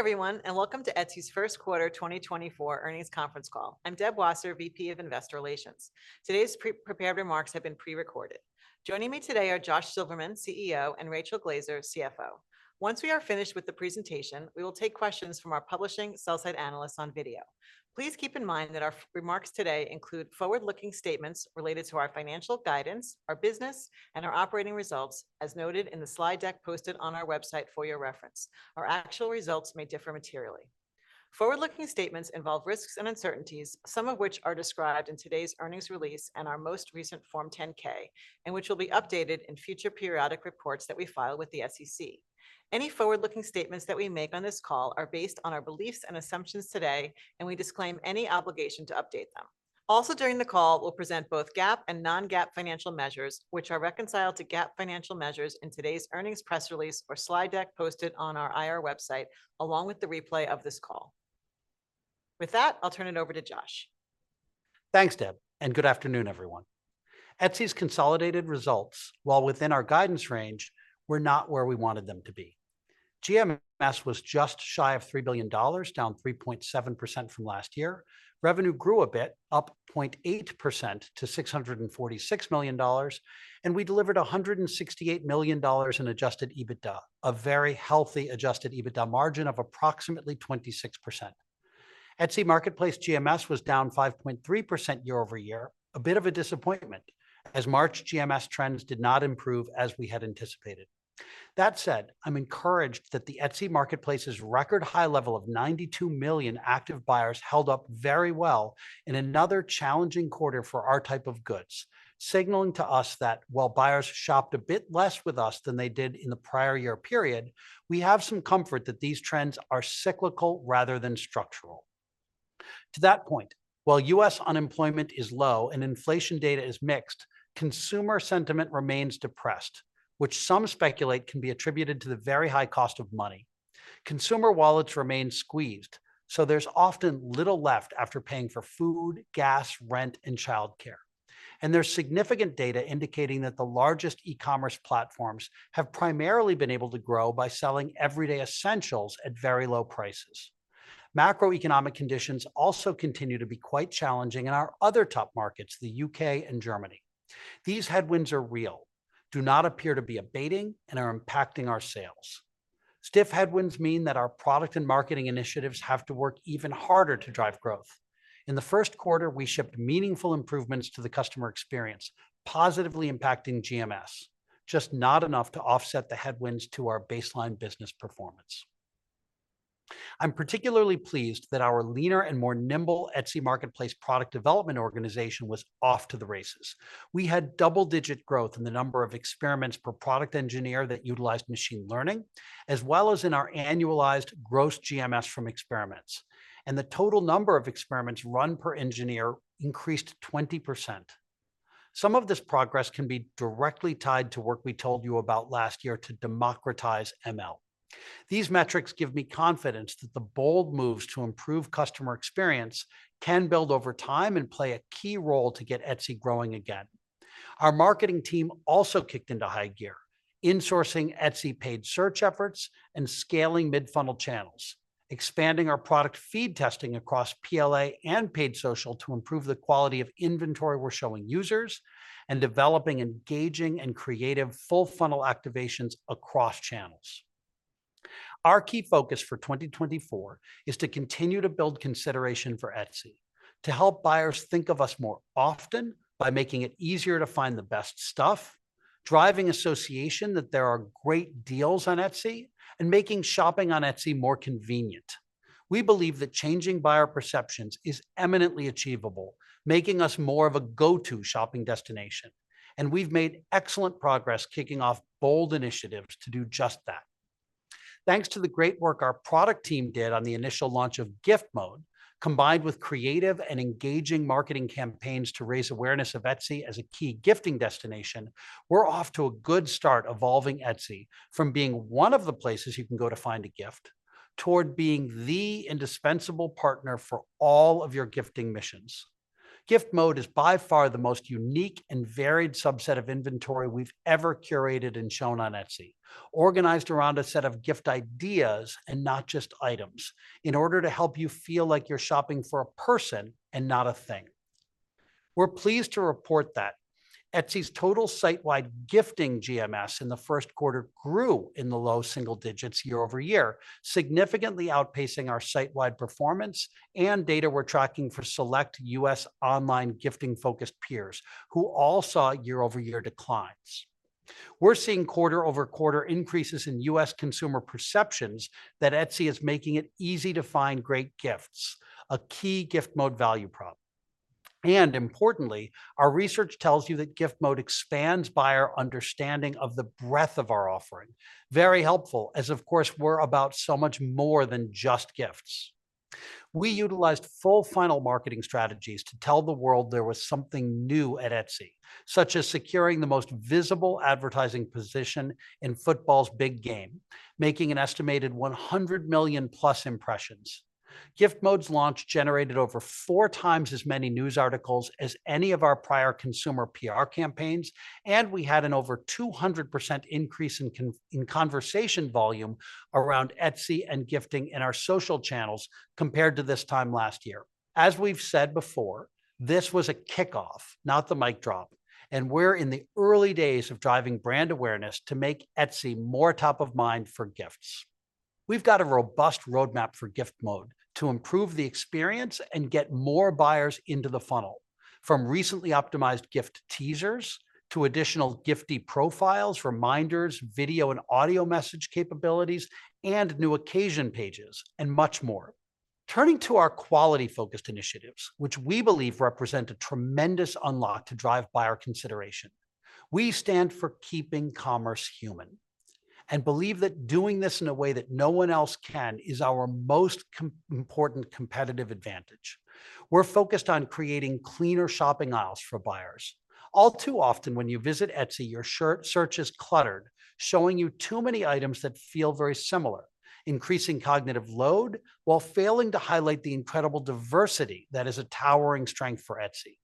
Hi, everyone, and welcome to Etsy's first quarter 2024 earnings conference call. I'm Deb Wasser, VP of Investor Relations. Today's pre-prepared remarks have been pre-recorded. Joining me today are Josh Silverman, CEO, and Rachel Glaser, CFO. Once we are finished with the presentation, we will take questions from our publishing sell-side analysts on video. Please keep in mind that our forward-looking remarks today include forward-looking statements related to our financial guidance, our business, and our operating results, as noted in the slide deck posted on our website for your reference. Our actual results may differ materially. Forward-looking statements involve risks and uncertainties, some of which are described in today's earnings release and our most recent Form 10-K, and which will be updated in future periodic reports that we file with the SEC. Any forward-looking statements that we make on this call are based on our beliefs and assumptions today, and we disclaim any obligation to update them. Also, during the call, we'll present both GAAP and non-GAAP financial measures, which are reconciled to GAAP financial measures in today's earnings press release or slide deck posted on our IR website, along with the replay of this call. With that, I'll turn it over to Josh. Thanks, Deb, and good afternoon, everyone. Etsy's consolidated results, while within our guidance range, were not where we wanted them to be. GMS was just shy of $3 billion, down 3.7% from last year. Revenue grew a bit, up 0.8% to $646 million, and we delivered $168 million in adjusted EBITDA, a very healthy adjusted EBITDA margin of approximately 26%. Etsy Marketplace GMS was down 5.3% year-over-year, a bit of a disappointment, as March GMS trends did not improve as we had anticipated. That said, I'm encouraged that the Etsy Marketplace's record high level of 92 million active buyers held up very well in another challenging quarter for our type of goods, signaling to us that while buyers shopped a bit less with us than they did in the prior year period, we have some comfort that these trends are cyclical rather than structural. To that point, while U.S. unemployment is low and inflation data is mixed, consumer sentiment remains depressed, which some speculate can be attributed to the very high cost of money. Consumer wallets remain squeezed, so there's often little left after paying for food, gas, rent, and childcare. There's significant data indicating that the largest e-commerce platforms have primarily been able to grow by selling everyday essentials at very low prices. Macroeconomic conditions also continue to be quite challenging in our other top markets, the U.K. and Germany. These headwinds are real, do not appear to be abating, and are impacting our sales. Stiff headwinds mean that our product and marketing initiatives have to work even harder to drive growth. In the first quarter, we shipped meaningful improvements to the customer experience, positively impacting GMS, just not enough to offset the headwinds to our baseline business performance. I'm particularly pleased that our leaner and more nimble Etsy Marketplace product development organization was off to the races. We had double-digit growth in the number of experiments per product engineer that utilized machine learning, as well as in our annualized gross GMS from experiments, and the total number of experiments run per engineer increased 20%. Some of this progress can be directly tied to work we told you about last year to democratize ML. These metrics give me confidence that the bold moves to improve customer experience can build over time and play a key role to get Etsy growing again. Our marketing team also kicked into high gear, insourcing Etsy paid search efforts and scaling mid-funnel channels, expanding our product feed testing across PLA and paid social to improve the quality of inventory we're showing users, and developing engaging and creative full-funnel activations across channels. Our key focus for 2024 is to continue to build consideration for Etsy, to help buyers think of us more often by making it easier to find the best stuff, driving association that there are great deals on Etsy, and making shopping on Etsy more convenient. We believe that changing buyer perceptions is eminently achievable, making us more of a go-to shopping destination, and we've made excellent progress kicking off bold initiatives to do just that. Thanks to the great work our product team did on the initial launch of Gift Mode, combined with creative and engaging marketing campaigns to raise awareness of Etsy as a key gifting destination, we're off to a good start evolving Etsy from being one of the places you can go to find a gift toward being the indispensable partner for all of your gifting missions. Gift Mode is by far the most unique and varied subset of inventory we've ever curated and shown on Etsy, organized around a set of gift ideas and not just items, in order to help you feel like you're shopping for a person and not a thing. We're pleased to report that Etsy's total sitewide gifting GMS in the first quarter grew in the low single digits year-over-year, significantly outpacing our sitewide performance and data we're tracking for select U.S. online gifting-focused peers, who all saw year-over-year declines. We're seeing quarter-over-quarter increases in U.S. consumer perceptions that Etsy is making it easy to find great gifts, a key Gift Mode value prop. And importantly, our research tells you that Gift Mode expands buyer understanding of the breadth of our offering. Very helpful, as of course, we're about so much more than just gifts. We utilized full-funnel marketing strategies to tell the world there was something new at Etsy, such as securing the most visible advertising position in football's big game, making an estimated 100 million-plus impressions. Gift Mode's launch generated over four times as many news articles as any of our prior consumer PR campaigns, and we had an over 200% increase in conversation volume around Etsy and gifting in our social channels compared to this time last year. As we've said before, this was a kickoff, not the mic drop, and we're in the early days of driving brand awareness to make Etsy more top of mind for gifts. We've got a robust roadmap for Gift Mode to improve the experience and get more buyers into the funnel. From recently optimized gift teasers to additional giftee profiles, reminders, video and audio message capabilities, and new occasion pages, and much more. Turning to our quality-focused initiatives, which we believe represent a tremendous unlock to drive buyer consideration. We stand for keeping commerce human, and believe that doing this in a way that no one else can is our most important competitive advantage. We're focused on creating cleaner shopping aisles for buyers. All too often, when you visit Etsy, your search is cluttered, showing you too many items that feel very similar, increasing cognitive load, while failing to highlight the incredible diversity that is a towering strength for Etsy.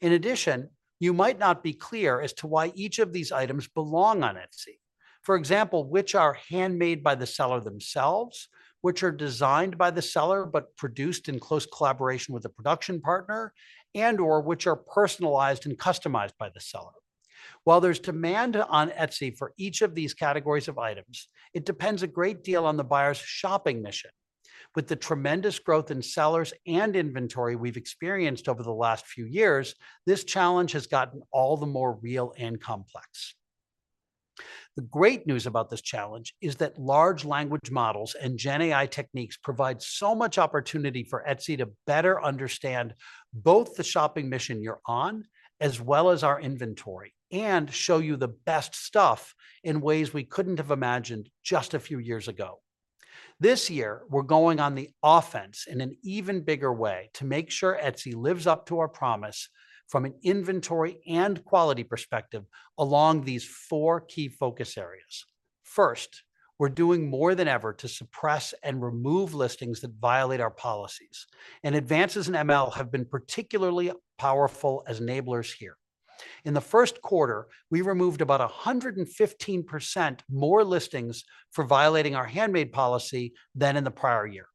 In addition, you might not be clear as to why each of these items belong on Etsy. For example, which are handmade by the seller themselves, which are designed by the seller but produced in close collaboration with a production partner, and/or which are personalized and customized by the seller. While there's demand on Etsy for each of these categories of items, it depends a great deal on the buyer's shopping mission. With the tremendous growth in sellers and inventory we've experienced over the last few years, this challenge has gotten all the more real and complex. The great news about this challenge is that large language models and GenAI techniques provide so much opportunity for Etsy to better understand both the shopping mission you're on, as well as our inventory, and show you the best stuff in ways we couldn't have imagined just a few years ago. This year, we're going on the offense in an even bigger way to make sure Etsy lives up to our promise from an inventory and quality perspective along these four key focus areas. First, we're doing more than ever to suppress and remove listings that violate our policies, and advances in ML have been particularly powerful as enablers here. In the first quarter, we removed about 115% more listings for violating our handmade policy than in the prior year.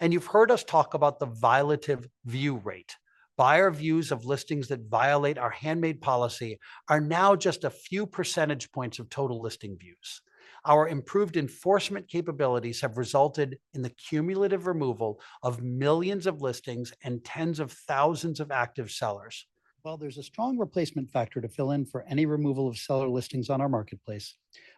You've heard us talk about the violative view rate. Buyer views of listings that violate our handmade policy are now just a few percentage points of total listing views. Our improved enforcement capabilities have resulted in the cumulative removal of millions of listings and tens of thousands of active sellers. While there's a strong replacement factor to fill in for any removal of seller listings on our marketplace,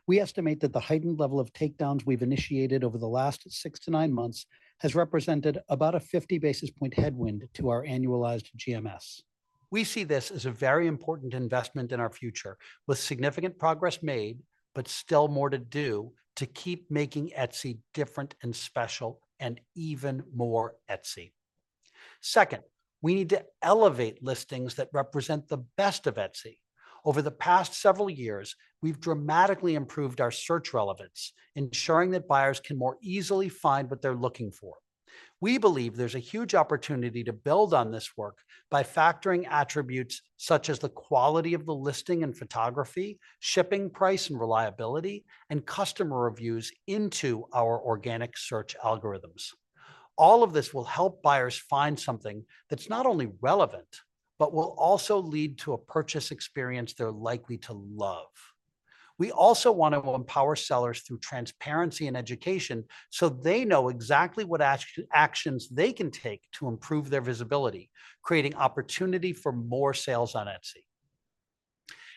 we estimate that the heightened level of takedowns we've initiated over the last 6-9 months has represented about a 50 basis point headwind to our annualized GMS. We see this as a very important investment in our future, with significant progress made, but still more to do to keep making Etsy different and special and even more Etsy. Second, we need to elevate listings that represent the best of Etsy. Over the past several years, we've dramatically improved our search relevance, ensuring that buyers can more easily find what they're looking for. We believe there's a huge opportunity to build on this work by factoring attributes such as the quality of the listing and photography, shipping price and reliability, and customer reviews into our organic search algorithms. All of this will help buyers find something that's not only relevant, but will also lead to a purchase experience they're likely to love. We also want to empower sellers through transparency and education so they know exactly what actions they can take to improve their visibility, creating opportunity for more sales on Etsy.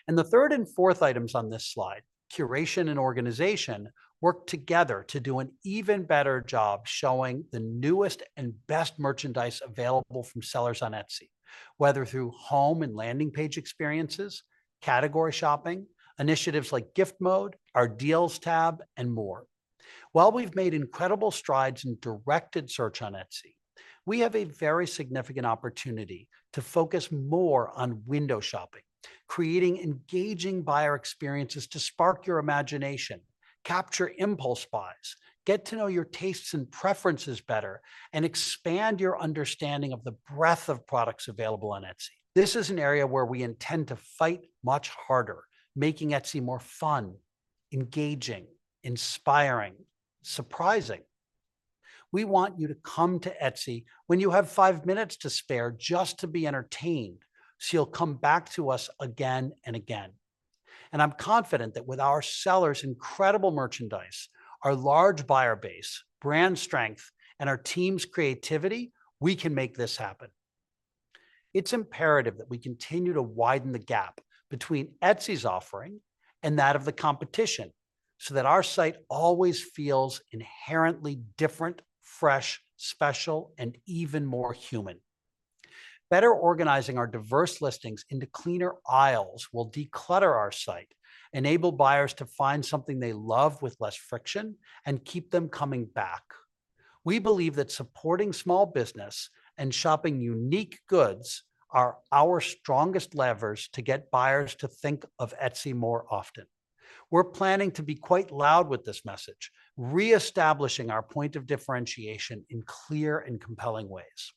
And the third and fourth items on this slide, curation and organization, work together to do an even better job showing the newest and best merchandise available from sellers on Etsy, whether through home and landing page experiences, category shopping, initiatives like Gift Mode, our Deals tab, and more. While we've made incredible strides in directed search on Etsy, we have a very significant opportunity to focus more on window shopping, creating engaging buyer experiences to spark your imagination, capture impulse buys, get to know your tastes and preferences better, and expand your understanding of the breadth of products available on Etsy. This is an area where we intend to fight much harder, making Etsy more fun, engaging, inspiring, surprising. We want you to come to Etsy when you have five minutes to spare just to be entertained, so you'll come back to us again and again. I'm confident that with our sellers' incredible merchandise, our large buyer base, brand strength, and our team's creativity, we can make this happen. It's imperative that we continue to widen the gap between Etsy's offering and that of the competition, so that our site always feels inherently different, fresh, special, and even more human. Better organizing our diverse listings into cleaner aisles will declutter our site, enable buyers to find something they love with less friction, and keep them coming back. We believe that supporting small business and shopping unique goods are our strongest levers to get buyers to think of Etsy more often. We're planning to be quite loud with this message, reestablishing our point of differentiation in clear and compelling ways.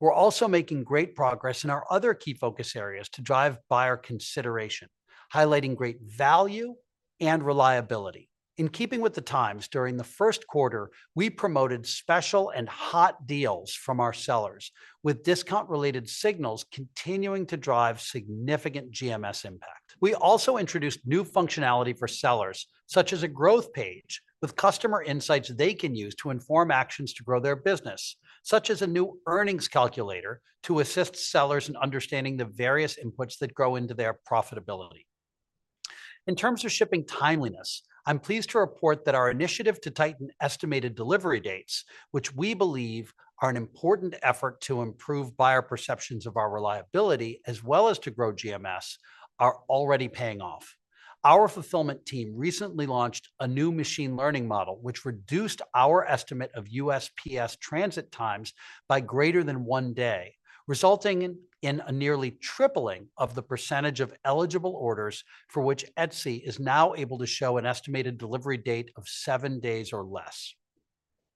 We're also making great progress in our other key focus areas to drive buyer consideration, highlighting great value and reliability. In keeping with the times, during the first quarter, we promoted special and hot deals from our sellers, with discount-related signals continuing to drive significant GMS impact. We also introduced new functionality for sellers, such as a growth page, with customer insights they can use to inform actions to grow their business, such as a new earnings calculator to assist sellers in understanding the various inputs that go into their profitability. In terms of shipping timeliness, I'm pleased to report that our initiative to tighten estimated delivery dates, which we believe are an important effort to improve buyer perceptions of our reliability, as well as to grow GMS, are already paying off. Our fulfillment team recently launched a new machine learning model, which reduced our estimate of USPS transit times by greater than 1 day, resulting in a nearly tripling of the percentage of eligible orders for which Etsy is now able to show an estimated delivery date of 7 days or less.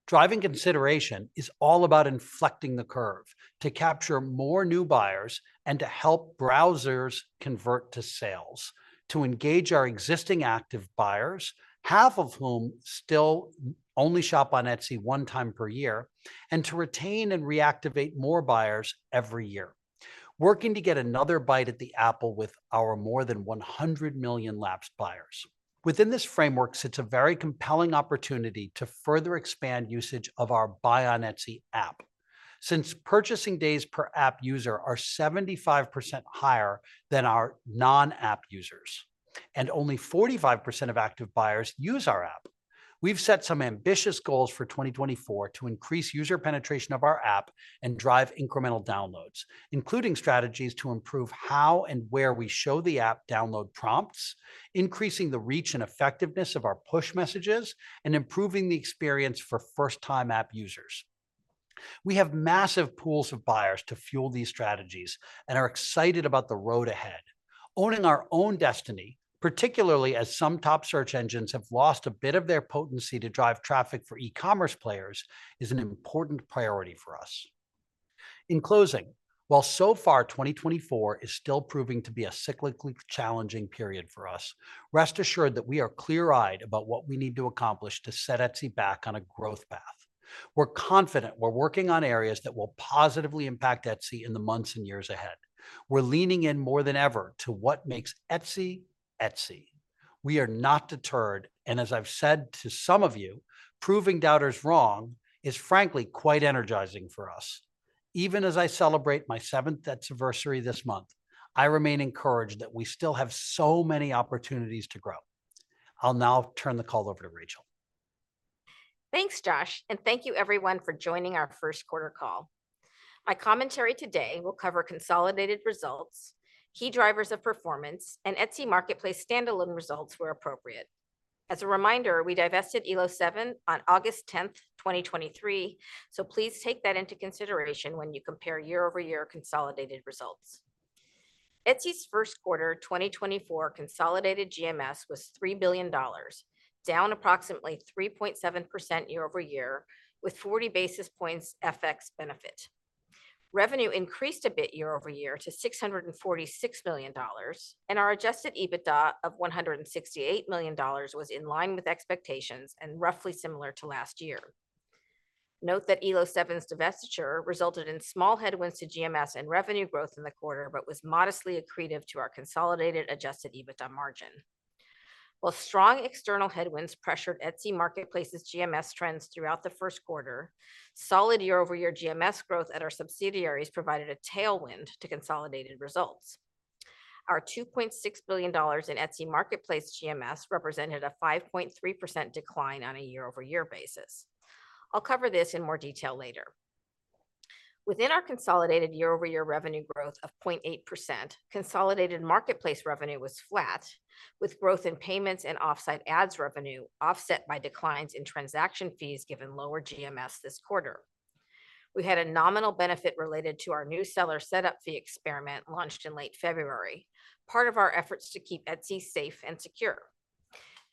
Driving consideration is all about inflecting the curve to capture more new buyers and to help browsers convert to sales, to engage our existing active buyers, half of whom still not only shop on Etsy 1 time per year, and to retain and reactivate more buyers every year. Working to get another bite at the apple with our more than 100 million lapsed buyers. Within this framework sits a very compelling opportunity to further expand usage of our Buy on Etsy app. Since purchasing days per app user are 75% higher than our non-app users, and only 45% of active buyers use our app, we've set some ambitious goals for 2024 to increase user penetration of our app and drive incremental downloads, including strategies to improve how and where we show the app download prompts, increasing the reach and effectiveness of our push messages, and improving the experience for first-time app users. We have massive pools of buyers to fuel these strategies and are excited about the road ahead. Owning our own destiny, particularly as some top search engines have lost a bit of their potency to drive traffic for e-commerce players, is an important priority for us. In closing, while so far, 2024 is still proving to be a cyclically challenging period for us, rest assured that we are clear-eyed about what we need to accomplish to set Etsy back on a growth path. We're confident we're working on areas that will positively impact Etsy in the months and years ahead. We're leaning in more than ever to what makes Etsy, Etsy. We are not deterred, and as I've said to some of you, proving doubters wrong is frankly quite energizing for us. Even as I celebrate my seventh Etsyversary this month, I remain encouraged that we still have so many opportunities to grow. I'll now turn the call over to Rachel. Thanks, Josh, and thank you everyone for joining our first quarter call. My commentary today will cover consolidated results, key drivers of performance, and Etsy Marketplace standalone results where appropriate. As a reminder, we divested Elo7 on August 10, 2023, so please take that into consideration when you compare year-over-year consolidated results. Etsy's first quarter 2024 consolidated GMS was $3 billion, down approximately 3.7% year-over-year, with 40 basis points FX benefit. Revenue increased a bit year-over-year to $646 million, and our adjusted EBITDA of $168 million was in line with expectations and roughly similar to last year. Note that Elo7's divestiture resulted in small headwinds to GMS and revenue growth in the quarter, but was modestly accretive to our consolidated adjusted EBITDA margin. While strong external headwinds pressured Etsy Marketplace's GMS trends throughout the first quarter, solid year-over-year GMS growth at our subsidiaries provided a tailwind to consolidated results. Our $2.6 billion in Etsy Marketplace GMS represented a 5.3% decline on a year-over-year basis. I'll cover this in more detail later. Within our consolidated year-over-year revenue growth of 0.8%, consolidated marketplace revenue was flat, with growth in payments and Offsite Ads revenue offset by declines in transaction fees given lower GMS this quarter. We had a nominal benefit related to our new seller setup fee experiment launched in late February, part of our efforts to keep Etsy safe and secure.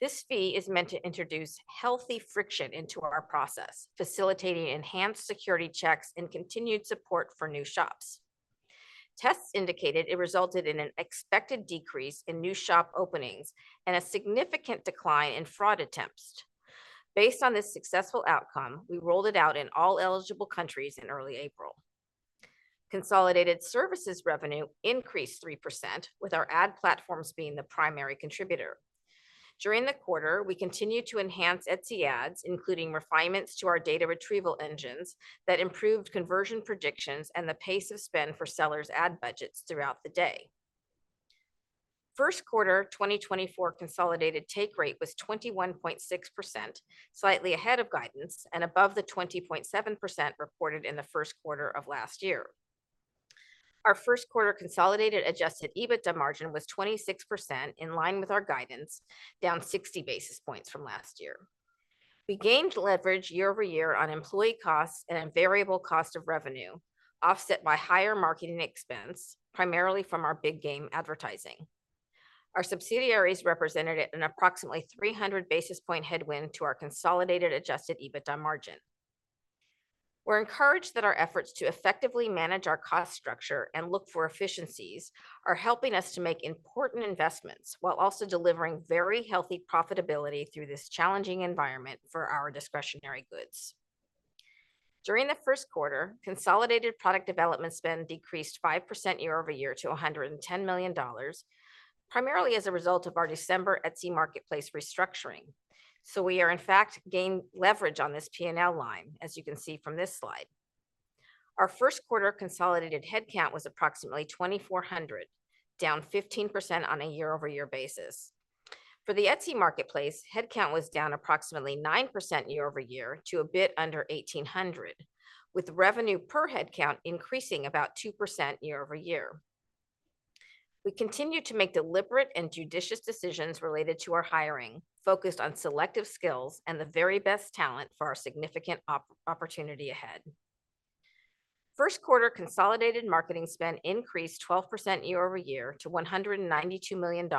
This fee is meant to introduce healthy friction into our process, facilitating enhanced security checks and continued support for new shops. Tests indicated it resulted in an expected decrease in new shop openings and a significant decline in fraud attempts. Based on this successful outcome, we rolled it out in all eligible countries in early April. Consolidated services revenue increased 3%, with our ad platforms being the primary contributor. During the quarter, we continued to enhance Etsy Ads, including refinements to our data retrieval engines, that improved conversion predictions and the pace of spend for sellers' ad budgets throughout the day. First quarter 2024 consolidated take rate was 21.6%, slightly ahead of guidance and above the 20.7% reported in the first quarter of last year. Our first quarter consolidated Adjusted EBITDA margin was 26%, in line with our guidance, down 60 basis points from last year. We gained leverage year-over-year on employee costs and in variable cost of revenue, offset by higher marketing expense, primarily from our Big Game advertising. Our subsidiaries represented at an approximately 300 basis point headwind to our consolidated adjusted EBITDA margin. We're encouraged that our efforts to effectively manage our cost structure and look for efficiencies are helping us to make important investments, while also delivering very healthy profitability through this challenging environment for our discretionary goods. During the first quarter, consolidated product development spend decreased 5% year-over-year to $110 million, primarily as a result of our December Etsy Marketplace restructuring. So we are in fact, gained leverage on this PNL line, as you can see from this slide. Our first quarter consolidated headcount was approximately 2,400, down 15% on a year-over-year basis. For the Etsy Marketplace, headcount was down approximately 9% year-over-year to a bit under 1,800, with revenue per headcount increasing about 2% year-over-year. We continue to make deliberate and judicious decisions related to our hiring, focused on selective skills and the very best talent for our significant opportunity ahead. First quarter consolidated marketing spend increased 12% year-over-year to $192 million,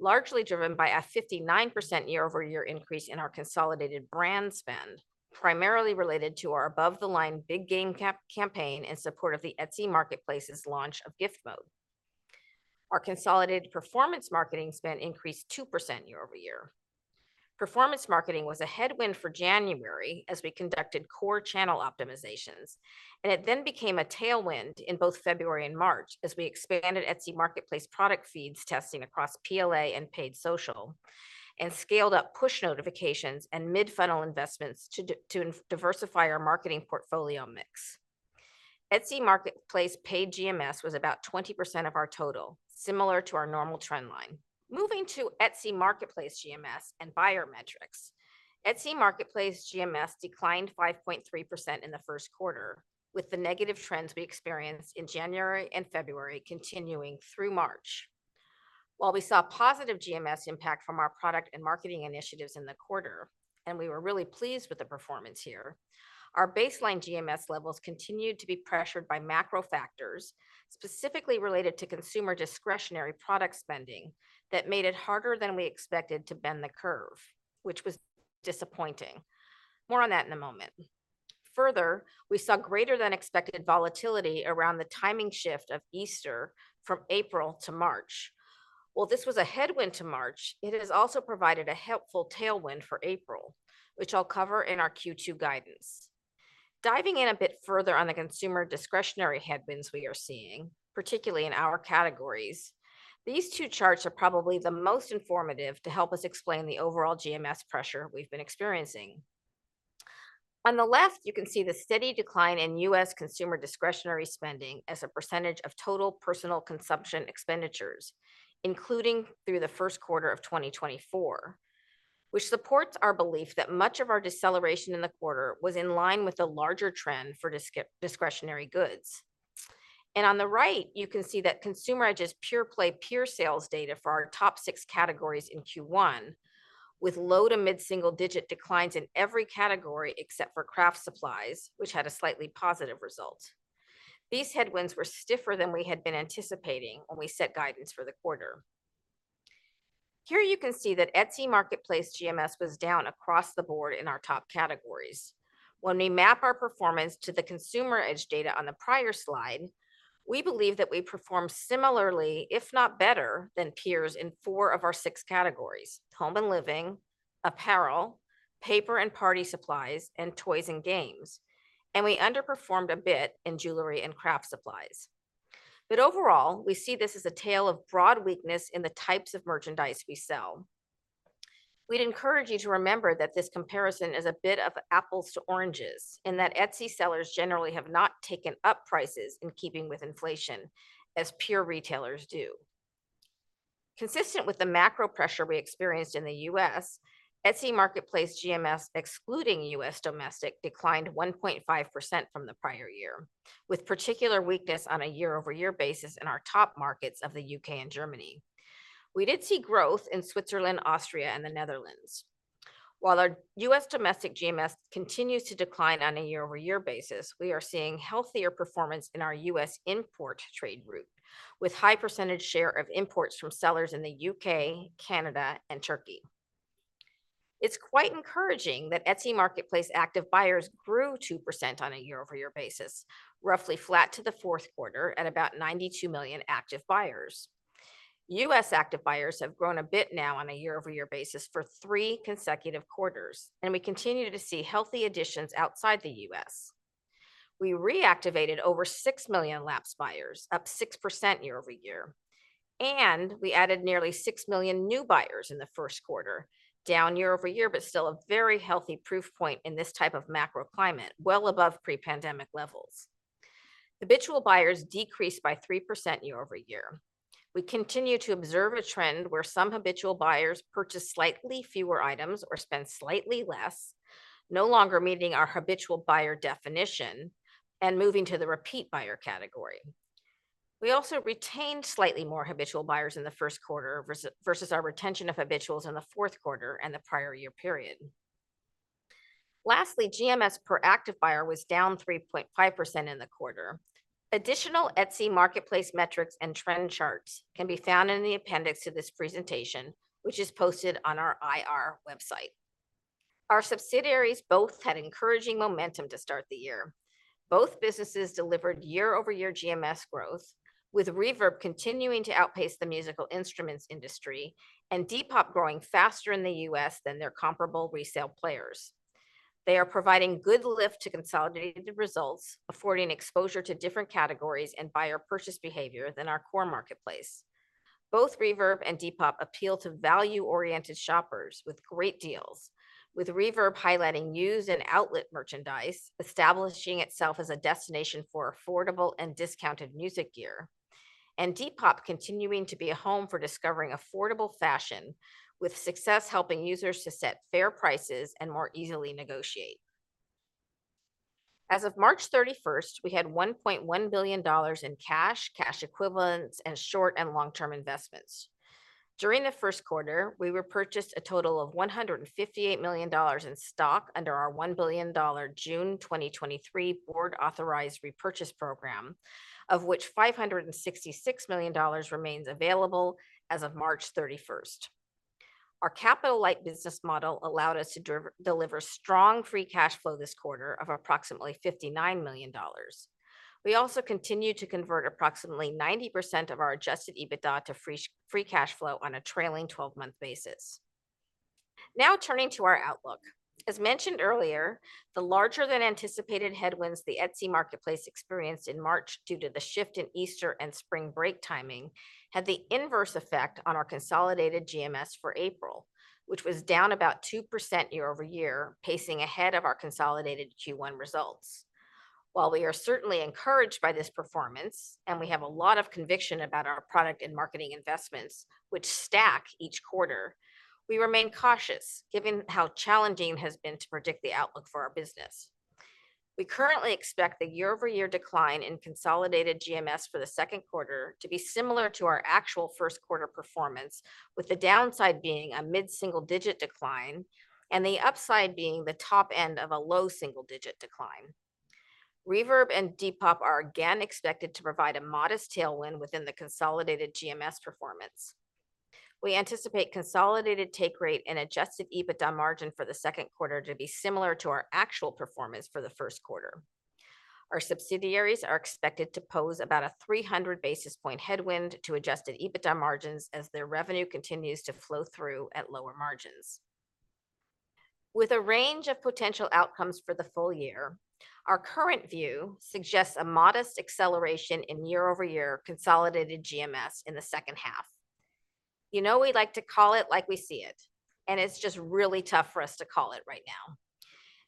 largely driven by a 59% year-over-year increase in our consolidated brand spend, primarily related to our above-the-line Big Game cap campaign in support of the Etsy Marketplace's launch of Gift Mode. Our consolidated performance marketing spend increased 2% year-over-year. Performance marketing was a headwind for January as we conducted core channel optimizations, and it then became a tailwind in both February and March as we expanded Etsy Marketplace product feeds testing across PLA and paid social, and scaled up push notifications and mid-funnel investments to diversify our marketing portfolio mix. Etsy Marketplace paid GMS was about 20% of our total, similar to our normal trend line. Moving to Etsy Marketplace GMS and buyer metrics. Etsy Marketplace GMS declined 5.3% in the first quarter, with the negative trends we experienced in January and February continuing through March. While we saw positive GMS impact from our product and marketing initiatives in the quarter, and we were really pleased with the performance here, our baseline GMS levels continued to be pressured by macro factors, specifically related to consumer discretionary product spending, that made it harder than we expected to bend the curve, which was disappointing. More on that in a moment. Further, we saw greater than expected volatility around the timing shift of Easter from April to March. While this was a headwind to March, it has also provided a helpful tailwind for April, which I'll cover in our Q2 guidance. Diving in a bit further on the consumer discretionary headwinds we are seeing, particularly in our categories, these two charts are probably the most informative to help us explain the overall GMS pressure we've been experiencing. On the left, you can see the steady decline in U.S. consumer discretionary spending as a percentage of total personal consumption expenditures, including through the first quarter of 2024, which supports our belief that much of our deceleration in the quarter was in line with the larger trend for discretionary goods. On the right, you can see that Consumer Edge's pure-play peer sales data for our top six categories in Q1, with low to mid-single-digit declines in every category except for craft supplies, which had a slightly positive result. These headwinds were stiffer than we had been anticipating when we set guidance for the quarter. Here you can see that Etsy Marketplace GMS was down across the board in our top categories. When we map our performance to the Consumer Edge data on the prior slide, we believe that we performed similarly, if not better, than peers in four of our six categories: home and living, apparel, paper and party supplies, and toys and games, and we underperformed a bit in jewelry and craft supplies. But overall, we see this as a tale of broad weakness in the types of merchandise we sell. We'd encourage you to remember that this comparison is a bit of apples to oranges, and that Etsy sellers generally have not taken up prices in keeping with inflation, as peer retailers do. Consistent with the macro pressure we experienced in the U.S., Etsy Marketplace GMS, excluding U.S. domestic, declined 1.5% from the prior year, with particular weakness on a year-over-year basis in our top markets of the U.K. and Germany. We did see growth in Switzerland, Austria, and the Netherlands. While our U.S. domestic GMS continues to decline on a year-over-year basis, we are seeing healthier performance in our U.S. import trade route, with high percentage share of imports from sellers in the U.K., Canada, and Turkey. It's quite encouraging that Etsy Marketplace active buyers grew 2% on a year-over-year basis, roughly flat to the fourth quarter at about 92 million active buyers. U.S. active buyers have grown a bit now on a year-over-year basis for 3 consecutive quarters, and we continue to see healthy additions outside the U.S. We reactivated over 6 million lapsed buyers, up 6% year-over-year, and we added nearly 6 million new buyers in the first quarter, down year-over-year, but still a very healthy proof point in this type of macro climate, well above pre-pandemic levels. Habitual buyers decreased by 3% year-over-year. We continue to observe a trend where some habitual buyers purchase slightly fewer items or spend slightly less, no longer meeting our habitual buyer definition and moving to the repeat buyer category. We also retained slightly more habitual buyers in the first quarter versus our retention of habituals in the fourth quarter and the prior year period. Lastly, GMS per active buyer was down 3.5% in the quarter. Additional Etsy Marketplace metrics and trend charts can be found in the appendix to this presentation, which is posted on our IR website. Our subsidiaries both had encouraging momentum to start the year. Both businesses delivered year-over-year GMS growth, with Reverb continuing to outpace the musical instruments industry and Depop growing faster in the U.S. than their comparable resale players. They are providing good lift to consolidated results, affording exposure to different categories and buyer purchase behavior than our core marketplace. Both Reverb and Depop appeal to value-oriented shoppers with great deals, with Reverb highlighting new and outlet merchandise, establishing itself as a destination for affordable and discounted music gear, and Depop continuing to be a home for discovering affordable fashion, with success helping users to set fair prices and more easily negotiate. As of March 31st, we had $1.1 billion in cash, cash equivalents, and short- and long-term investments. During the first quarter, we repurchased a total of $158 million in stock under our $1 billion June 2023 board-authorized repurchase program, of which $566 million remains available as of March 31st. Our capital-light business model allowed us to deliver strong free cash flow this quarter of approximately $59 million. We also continued to convert approximately 90% of our adjusted EBITDA to free cash flow on a trailing twelve-month basis. Now, turning to our outlook. As mentioned earlier, the larger-than-anticipated headwinds the Etsy Marketplace experienced in March due to the shift in Easter and spring break timing had the inverse effect on our consolidated GMS for April, which was down about 2% year-over-year, pacing ahead of our consolidated Q1 results. While we are certainly encouraged by this performance, and we have a lot of conviction about our product and marketing investments, which stack each quarter, we remain cautious, given how challenging it has been to predict the outlook for our business. We currently expect the year-over-year decline in consolidated GMS for the second quarter to be similar to our actual first quarter performance, with the downside being a mid-single-digit decline and the upside being the top end of a low single-digit decline. Reverb and Depop are again expected to provide a modest tailwind within the consolidated GMS performance. We anticipate consolidated take rate and adjusted EBITDA margin for the second quarter to be similar to our actual performance for the first quarter. Our subsidiaries are expected to pose about a 300 basis point headwind to adjusted EBITDA margins as their revenue continues to flow through at lower margins. With a range of potential outcomes for the full year, our current view suggests a modest acceleration in year-over-year consolidated GMS in the second half. You know, we like to call it like we see it, and it's just really tough for us to call it right now.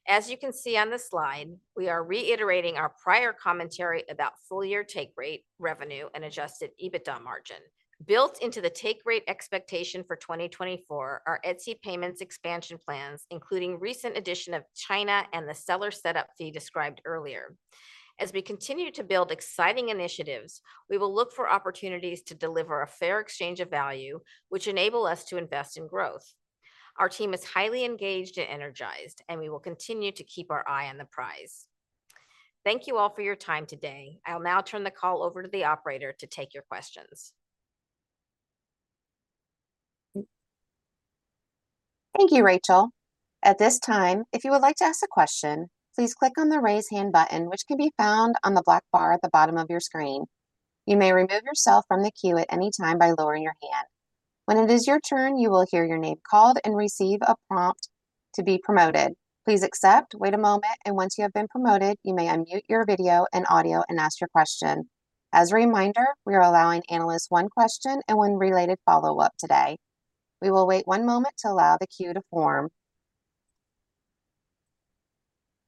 As you can see on this slide, we are reiterating our prior commentary about full-year take rate, revenue, and Adjusted EBITDA margin. Built into the take rate expectation for 2024 are Etsy Payments expansion plans, including recent addition of China and the seller setup fee described earlier. As we continue to build exciting initiatives, we will look for opportunities to deliver a fair exchange of value, which enable us to invest in growth. Our team is highly engaged and energized, and we will continue to keep our eye on the prize. Thank you all for your time today. I'll now turn the call over to the operator to take your questions. Thank you, Rachel. At this time, if you would like to ask a question, please click on the Raise Hand button, which can be found on the black bar at the bottom of your screen. You may remove yourself from the queue at any time by lowering your hand. When it is your turn, you will hear your name called and receive a prompt to be promoted. Please accept, wait a moment, and once you have been promoted, you may unmute your video and audio and ask your question. As a reminder, we are allowing analysts one question and one related follow-up today. We will wait one moment to allow the queue to form.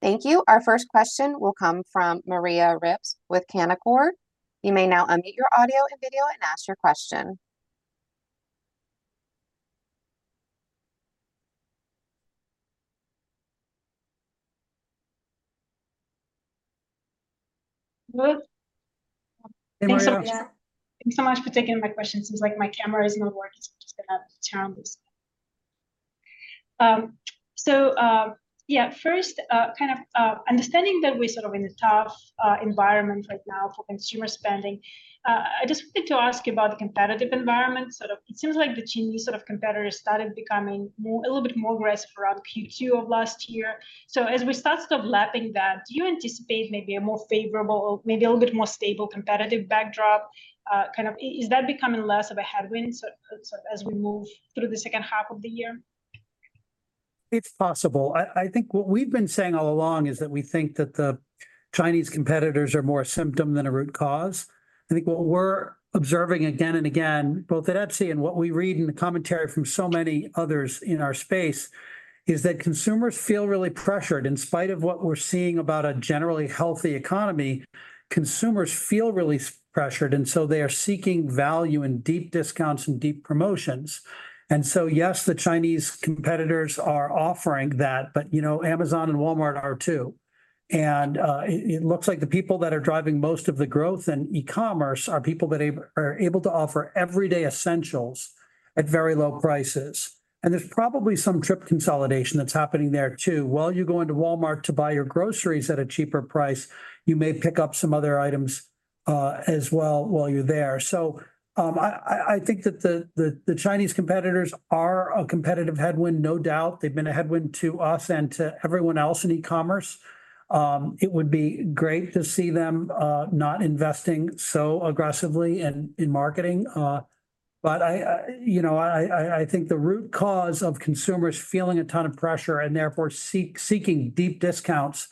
Thank you. Our first question will come from Maria Rips with Canaccord. You may now unmute your audio and video and ask your question. Good. Hey, Maria. Thanks so much for taking my question. Seems like my camera is not working, so I'm just gonna turn o n this. So, yeah, first, kind of, understanding that we're sort of in a tough environment right now for consumer spending, I just wanted to ask you about the competitive environment. Sort of, it seems like the Chinese sort of competitors started becoming more, a little bit more aggressive around Q2 of last year. So as we start sort of lapping that, do you anticipate maybe a more favorable or maybe a little bit more stable competitive backdrop? Kind of, is that becoming less of a headwind so, so as we move through the second half of the year? It's possible. I think what we've been saying all along is that we think that the Chinese competitors are more a symptom than a root cause. I think what we're observing again and again, both at Etsy and what we read in the commentary from so many others in our space, is that consumers feel really pressured. In spite of what we're seeing about a generally healthy economy, consumers feel really pressured, and so they are seeking value in deep discounts and deep promotions. And so yes, the Chinese competitors are offering that, but, you know, Amazon and Walmart are, too. And it looks like the people that are driving most of the growth in e-commerce are people that are able to offer everyday essentials at very low prices. And there's probably some trip consolidation that's happening there, too. While you're going to Walmart to buy your groceries at a cheaper price, you may pick up some other items as well while you're there. So, I think that the Chinese competitors are a competitive headwind, no doubt. They've been a headwind to us and to everyone else in e-commerce. It would be great to see them not investing so aggressively in marketing. But you know, I think the root cause of consumers feeling a ton of pressure, and therefore seeking deep discounts,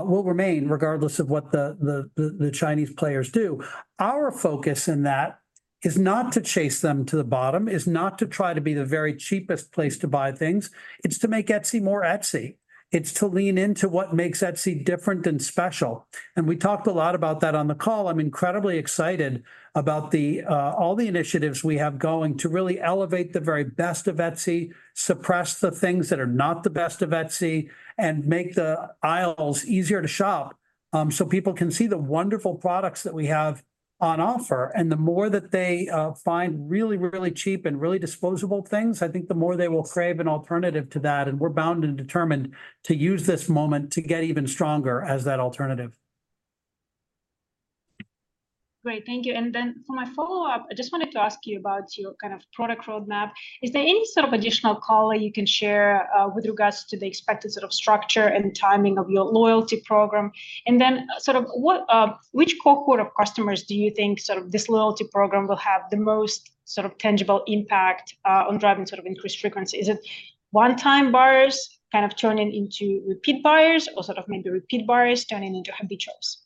will remain regardless of what the Chinese players do. Our focus in that is not to chase them to the bottom, is not to try to be the very cheapest place to buy things, it's to make Etsy more Etsy. It's to lean into what makes Etsy different and special, and we talked a lot about that on the call. I'm incredibly excited about the all the initiatives we have going to really elevate the very best of Etsy, suppress the things that are not the best of Etsy, and make the aisles easier to shop, so people can see the wonderful products that we have on offer. The more that they find really, really cheap and really disposable things, I think the more they will crave an alternative to that, and we're bound and determined to use this moment to get even stronger as that alternative. Great, thank you. And then for my follow-up, I just wanted to ask you about your kind of product roadmap. Is there any sort of additional color you can share with regards to the expected sort of structure and timing of your loyalty program? And then, sort of, which core cohort of customers do you think sort of this loyalty program will have the most sort of tangible impact on driving sort of increased frequency? Is it one-time buyers kind of turning into repeat buyers, or sort of maybe repeat buyers turning into heavy shoppers?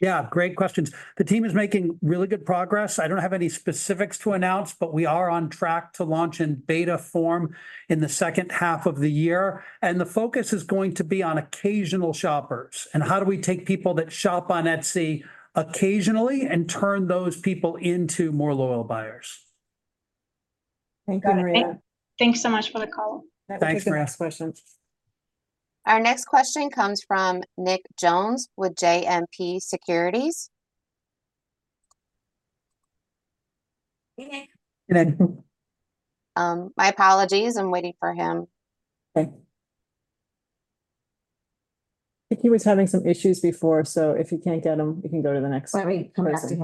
Yeah, great questions. The team is making really good progress. I don't have any specifics to announce, but we are on track to launch in beta form in the second half of the year, and the focus is going to be on occasional shoppers, and how do we take people that shop on Etsy occasionally and turn those people into more loyal buyers? Thank you, Maria. Thanks so much for the call. Thanks. Thanks for asking questions. Our next question comes from Nick Jones with JMP Securities. Hey, Nick. Good. My apologies. I'm waiting for him. Okay. I think he was having some issues before, so if you can't get him, we can go to the next person. Why don't we come back to him?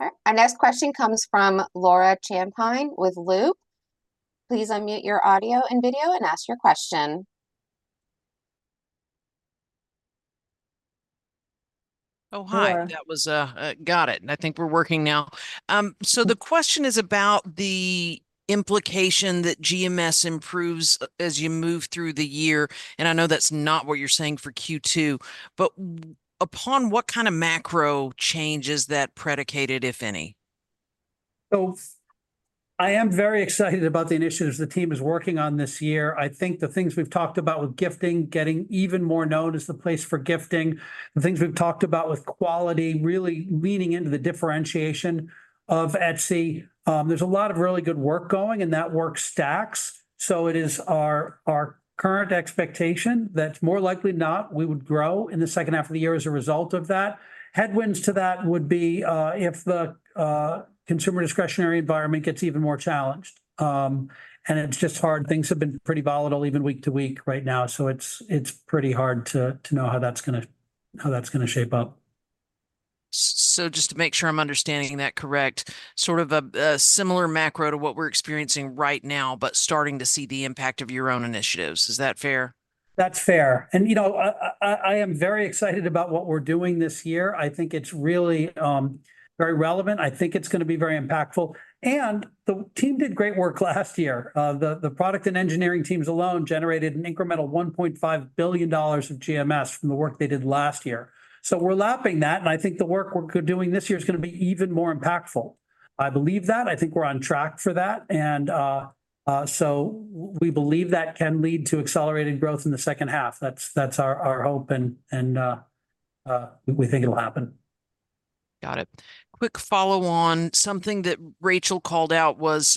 All right, our next question comes from Laura Champine with Loop. Please unmute your audio and video and ask your question. Oh, hi. Laura. Got it, and I think we're working now. So the question is about the implication that GMS improves as you move through the year, and I know that's not what you're saying for Q2, but upon what kind of macro change is that predicated, if any? So I am very excited about the initiatives the team is working on this year. I think the things we've talked about with gifting, getting even more known as the place for gifting, the things we've talked about with quality, really leaning into the differentiation of Etsy. There's a lot of really good work going, and that work stacks. So it is our current expectation that more likely not we would grow in the second half of the year as a result of that. Headwinds to that would be if the consumer discretionary environment gets even more challenged. And it's just hard. Things have been pretty volatile even week to week right now, so it's pretty hard to know how that's gonna shape up. So just to make sure I'm understanding that correct, sort of a similar macro to what we're experiencing right now, but starting to see the impact of your own initiatives. Is that fair? That's fair, and, you know, I am very excited about what we're doing this year. I think it's really, very relevant. I think it's gonna be very impactful, and the team did great work last year. The product and engineering teams alone generated an incremental $1.5 billion of GMS from the work they did last year. So we're lapping that, and I think the work we're doing this year is gonna be even more impactful. I believe that. I think we're on track for that, and, so we believe that can lead to accelerated growth in the second half. That's our hope, and, we think it'll happen. Got it. Quick follow on. Something that Rachel called out was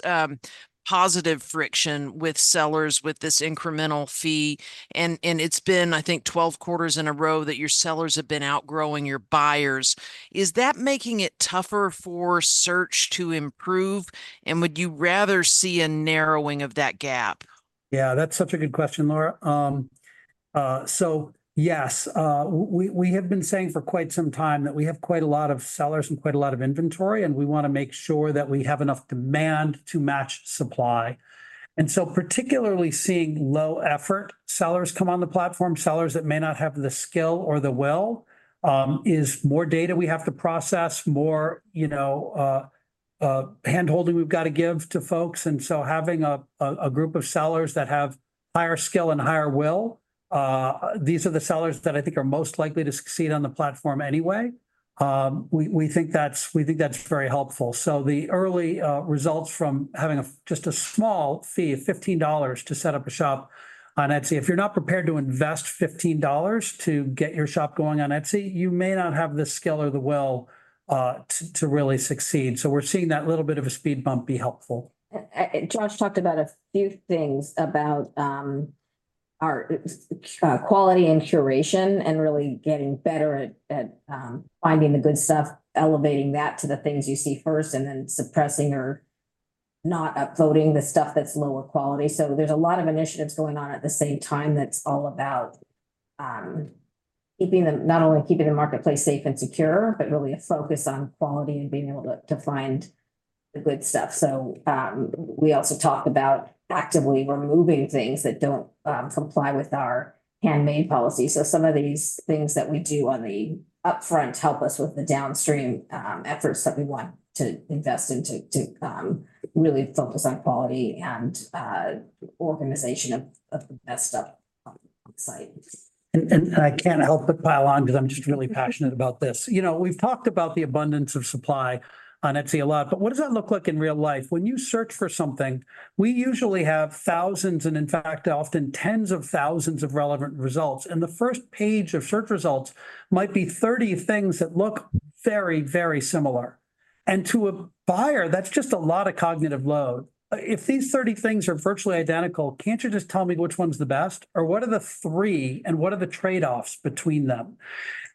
positive friction with sellers with this incremental fee, and, and it's been, I think, 12 quarters in a row that your sellers have been outgrowing your buyers. Is that making it tougher for search to improve, and would you rather see a narrowing of that gap? Yeah, that's such a good question, Laura. So yes, we have been saying for quite some time that we have quite a lot of sellers and quite a lot of inventory, and we wanna make sure that we have enough demand to match supply. And so particularly seeing low-effort sellers come on the platform, sellers that may not have the skill or the will, is more data we have to process, more, you know, hand-holding we've got to give to folks. And so having a group of sellers that have higher skill and higher will, these are the sellers that I think are most likely to succeed on the platform anyway. We think that's very helpful. So the early results from having just a small fee of $15 to set up a shop on Etsy, if you're not prepared to invest $15 to get your shop going on Etsy, you may not have the skill or the will to really succeed. So we're seeing that little bit of a speed bump be helpful. Josh talked about a few things about our quality and curation, and really getting better at finding the good stuff, elevating that to the things you see first, and then suppressing or not upvoting the stuff that's lower quality. So there's a lot of initiatives going on at the same time that's all about keeping not only keeping the marketplace safe and secure, but really a focus on quality and being able to find the good stuff. So we also talk about actively removing things that don't comply with our handmade policy. So some of these things that we do on the upfront help us with the downstream efforts that we want to invest in to really focus on quality and organization of the best stuff on the site. And, I can't help but pile on, 'cause I'm just really passionate about this. You know, we've talked about the abundance of supply on Etsy a lot, but what does that look like in real life? When you search for something, we usually have thousands, and in fact, often tens of thousands of relevant results, and the first page of search results might be 30 things that look very, very similar. And to a buyer, that's just a lot of cognitive load. If these 30 things are virtually identical, can't you just tell me which one's the best, or what are the three, and what are the trade-offs between them?"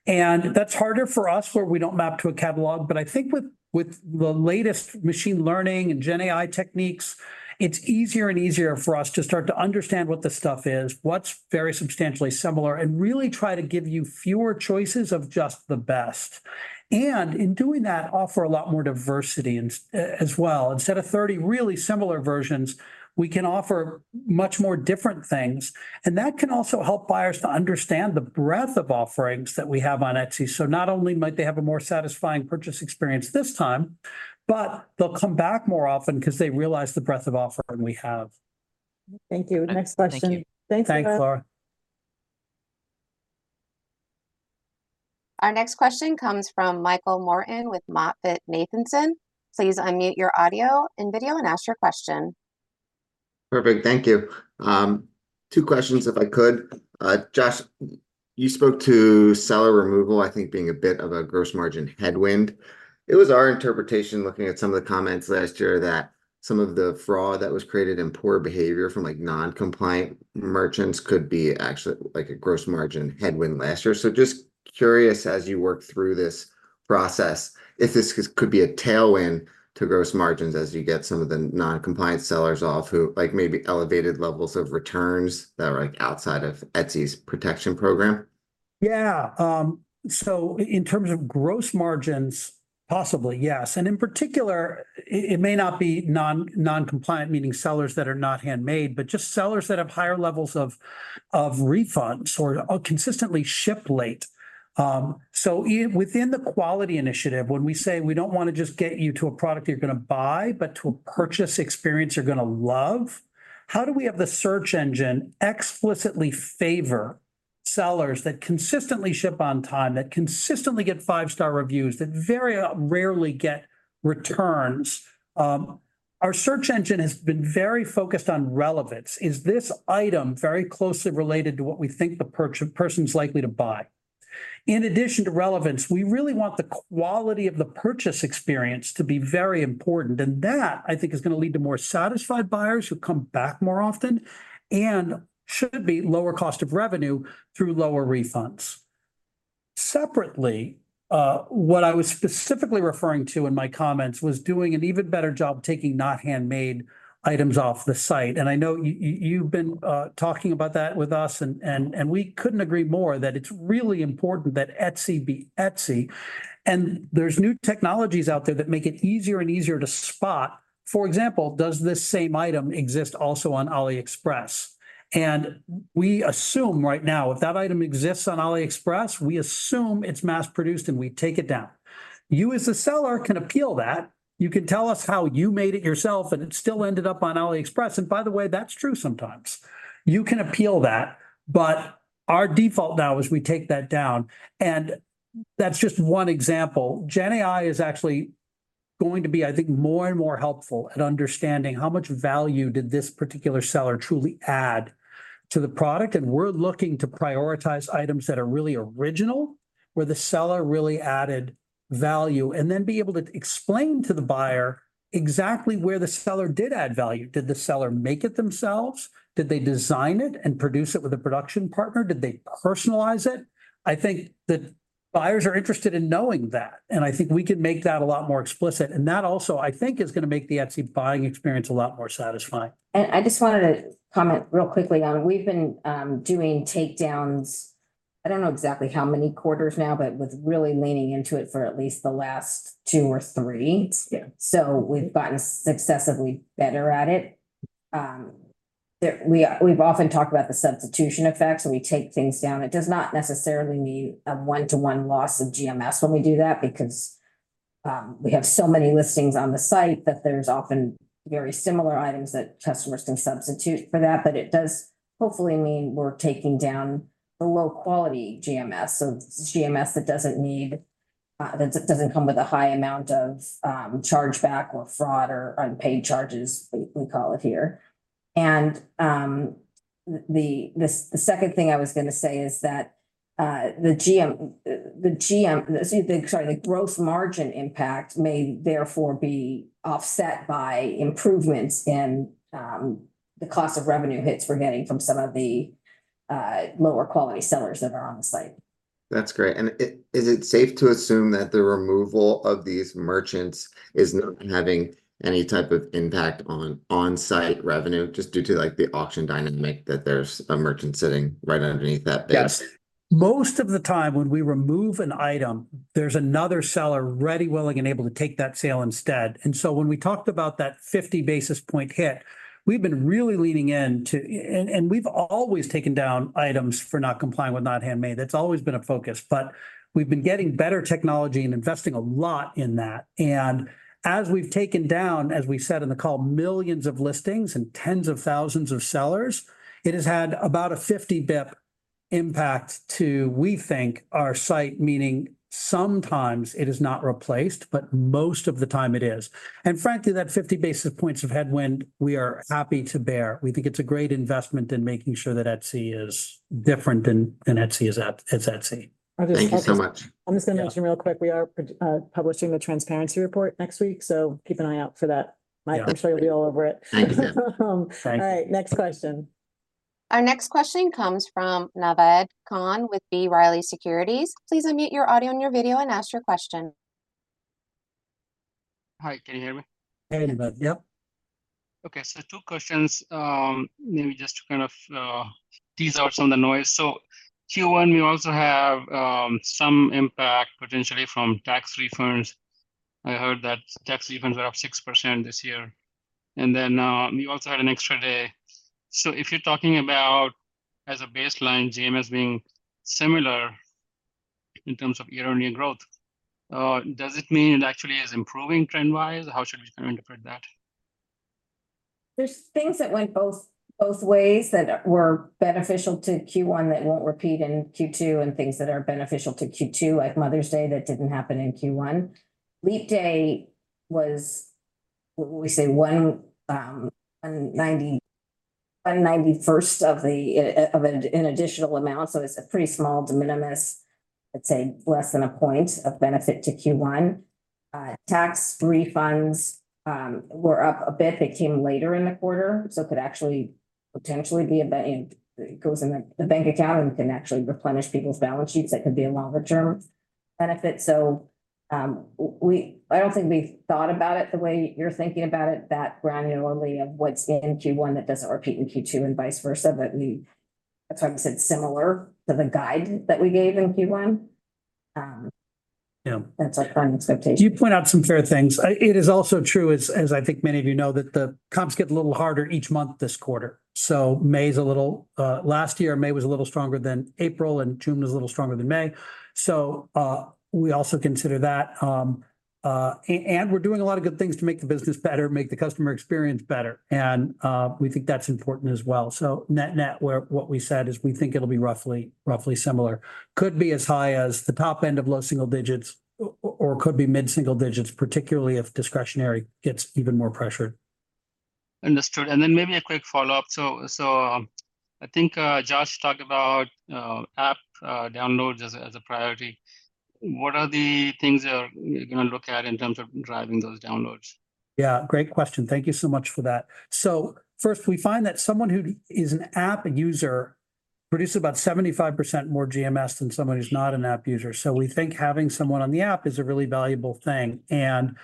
And that's harder for us, where we don't map to a catalog, but I think with, with the latest machine learning and GenAI techniques, it's easier and easier for us to start to understand what the stuff is, what's very substantially similar, and really try to give you fewer choices of just the best. And in doing that, offer a lot more diversity, as well. Instead of 30 really similar versions, we can offer much more different things, and that can also help buyers to understand the breadth of offerings that we have on Etsy. Not only might they have a more satisfying purchase experience this time, but they'll come back more often, 'cause they realize the breadth of offering we have. Thank you. Next question. Thank you. Thanks, Laura. Our next question comes from Michael Morton with MoffettNathanson. Please unmute your audio and video and ask your question. Perfect. Thank you. Two questions if I could. Josh, you spoke to seller removal, I think being a bit of a gross margin headwind. It was our interpretation, looking at some of the comments last year, that some of the fraud that was created and poor behavior from, like, non-compliant merchants could be actually, like, a gross margin headwind last year. So just curious, as you work through this process, if this could, could be a tailwind to gross margins as you get some of the non-compliant sellers off who, like, maybe elevated levels of returns that are, like, outside of Etsy's protection program? Yeah, so in terms of gross margins, possibly, yes. And in particular, it may not be non-compliant, meaning sellers that are not handmade, but just sellers that have higher levels of refunds or consistently ship late. So within the quality initiative, when we say we don't wanna just get you to a product you're gonna buy, but to a purchase experience you're gonna love, how do we have the search engine explicitly favor sellers that consistently ship on time, that consistently get five-star reviews, that very rarely get returns? Our search engine has been very focused on relevance. Is this item very closely related to what we think the person's likely to buy? In addition to relevance, we really want the quality of the purchase experience to be very important, and that, I think, is gonna lead to more satisfied buyers who come back more often, and should be lower cost of revenue through lower refunds. Separately, what I was specifically referring to in my comments was doing an even better job taking not-handmade items off the site, and I know you've been talking about that with us, and we couldn't agree more, that it's really important that Etsy be Etsy. And there's new technologies out there that make it easier and easier to spot. For example, does this same item exist also on AliExpress? And we assume right now, if that item exists on AliExpress, we assume it's mass-produced, and we take it down. You, as the seller, can appeal that. You can tell us how you made it yourself, and it still ended up on AliExpress, and by the way, that's true sometimes. You can appeal that, but our default now is we take that down, and that's just one example. Gen AI is actually going to be, I think, more and more helpful at understanding how much value did this particular seller truly add to the product, and we're looking to prioritize items that are really original, where the seller really added value, and then be able to explain to the buyer exactly where the seller did add value. Did the seller make it themselves? Did they design it and produce it with a production partner? Did they personalize it? I think that buyers are interested in knowing that, and I think we can make that a lot more explicit, and that also, I think, is gonna make the Etsy buying experience a lot more satisfying. I just wanted to comment really quickly on. We've been doing takedowns. I don't know exactly how many quarters now, but we've really been leaning into it for at least the last two or three. Yeah. So we've gotten successively better at it. We've often talked about the substitution effects when we take things down. It does not necessarily mean a one-to-one loss of GMS when we do that, because we have so many listings on the site that there's often very similar items that customers can substitute for that. But it does hopefully mean we're taking down the low-quality GMS, so GMS that doesn't come with a high amount of chargeback or fraud or unpaid charges, we call it here. The second thing I was gonna say is that the growth margin impact may therefore be offset by improvements in the cost of revenue hits we're getting from some of the lower quality sellers that are on the site. That's great. And is it safe to assume that the removal of these merchants is not having any type of impact on on-site revenue, just due to, like, the auction dynamic, that there's a merchant sitting right underneath that base? Yes. Most of the time, when we remove an item, there's another seller ready, willing, and able to take that sale instead. And so when we talked about that 50 basis point hit, we've been really leaning in to... and we've always taken down items for not complying with Not Handmade. That's always been a focus. But we've been getting better technology and investing a lot in that. And as we've taken down, as we've said in the call, millions of listings and tens of thousands of sellers, it has had about a 50 basis points impact to, we think, our site. Meaning, sometimes it is not replaced, but most of the time it is. And frankly, that 50 basis points of headwind, we are happy to bear. We think it's a great investment in making sure that Etsy is different, and, and Etsy is Etsy. Thank you so much. I'm just gonna mention real quick, we are publishing the transparency report next week, so keep an eye out for that. Yeah. Mike, I'm sure you'll be all over it. Thank you. Thank you. All right, next question. Our next question comes from Naved Khan with B. Riley Securities. Please unmute your audio and your video and ask your question. Hi, can you hear me? Hey, Naved. Yep. Okay, so two questions. Maybe just to kind of tease out some of the noise. So Q1, you also have some impact potentially from tax refunds. I heard that tax refunds were up 6% this year, and then you also had an extra day. So if you're talking about, as a baseline, GMS being similar in terms of year-on-year growth, does it mean it actually is improving trend-wise? How should we kind of interpret that? There's things that went both ways that were beneficial to Q1 that won't repeat in Q2, and things that are beneficial to Q2, like Mother's Day, that didn't happen in Q1. Leap Day was, we say, 1/91st of an additional amount, so it's a pretty small de minimis. I'd say less than a point of benefit to Q1. Tax refunds were up a bit. They came later in the quarter, so could actually potentially be a it goes in the bank account, and can actually replenish people's balance sheets. That could be a longer term benefit. So, I don't think we've thought about it the way you're thinking about it, that granularly, of what's in Q1 that doesn't repeat in Q2, and vice versa. But that's why we said similar to the guide that we gave in Q1. Yeah. That's our current expectation. You point out some fair things. It is also true, as I think many of you know, that the comps get a little harder each month this quarter. So May's a little... Last year, May was a little stronger than April, and June was a little stronger than May. So we also consider that. And we're doing a lot of good things to make the business better, make the customer experience better, and we think that's important as well. So net-net, we're what we said is, we think it'll be roughly similar. Could be as high as the top end of low single digits, or could be mid-single digits, particularly if discretionary gets even more pressured. Understood. And then maybe a quick follow-up. So, I think Josh talked about app downloads as a priority. What are the things you are gonna look at in terms of driving those downloads? Yeah, great question. Thank you so much for that. So first, we find that someone who is an app user produces about 75% more GMS than someone who's not an app user. So we think having someone on the app is a really valuable thing. And,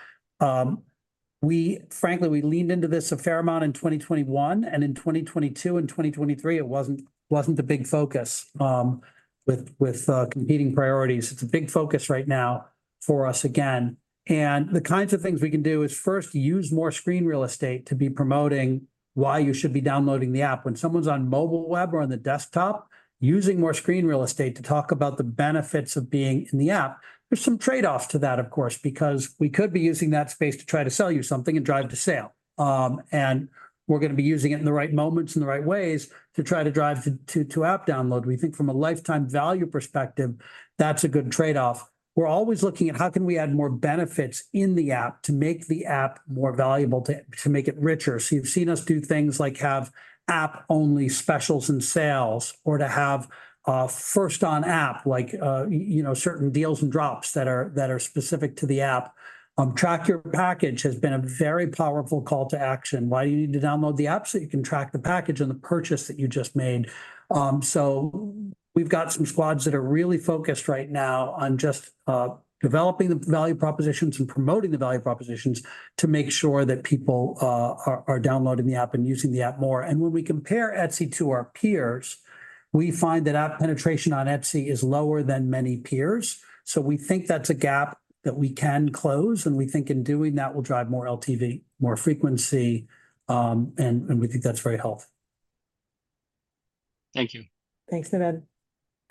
we, frankly, we leaned into this a fair amount in 2021, and in 2022 and 2023, it wasn't the big focus with competing priorities. It's a big focus right now for us again. And the kinds of things we can do is, first, use more screen real estate to be promoting why you should be downloading the app. When someone's on mobile web or on the desktop, using more screen real estate to talk about the benefits of being in the app. There's some trade-offs to that, of course, because we could be using that space to try to sell you something and drive the sale. And we're gonna be using it in the right moments and the right ways to try to drive to app download. We think from a lifetime value perspective, that's a good trade-off. We're always looking at how can we add more benefits in the app to make the app more valuable, to make it richer? So you've seen us do things like have app-only specials and sales, or to have first on app, like you know, certain deals and drops that are specific to the app. Track your package has been a very powerful call to action. Why you need to download the app? So you can track the package on the purchase that you just made. So we've got some squads that are really focused right now on just developing the value propositions and promoting the value propositions, to make sure that people are downloading the app and using the app more. And when we compare Etsy to our peers, we find that app penetration on Etsy is lower than many peers. So we think that's a gap that we can close, and we think in doing that, we'll drive more LTV, more frequency, and we think that's very healthy. Thank you. Thanks, Naved.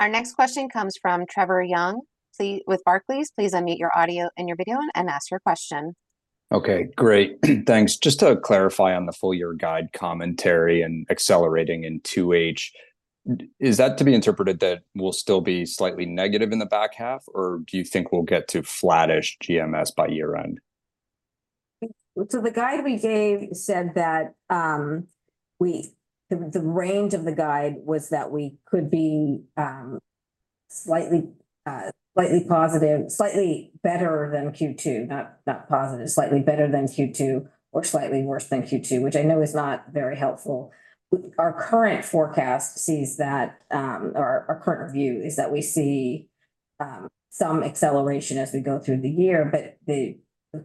Our next question comes from Trevor Young with Barclays. Please unmute your audio and your video and ask your question. Okay, great. Thanks. Just to clarify on the full year guide commentary and accelerating in 2H, is that to be interpreted that we'll still be slightly negative in the back half, or do you think we'll get to flattish GMS by year-end? So the guide we gave said that, the range of the guide was that we could be, slightly positive, slightly better than Q2, not positive. Slightly better than Q2, or slightly worse than Q2, which I know is not very helpful. Our current forecast sees that. Our current view is that we see, some acceleration as we go through the year, but the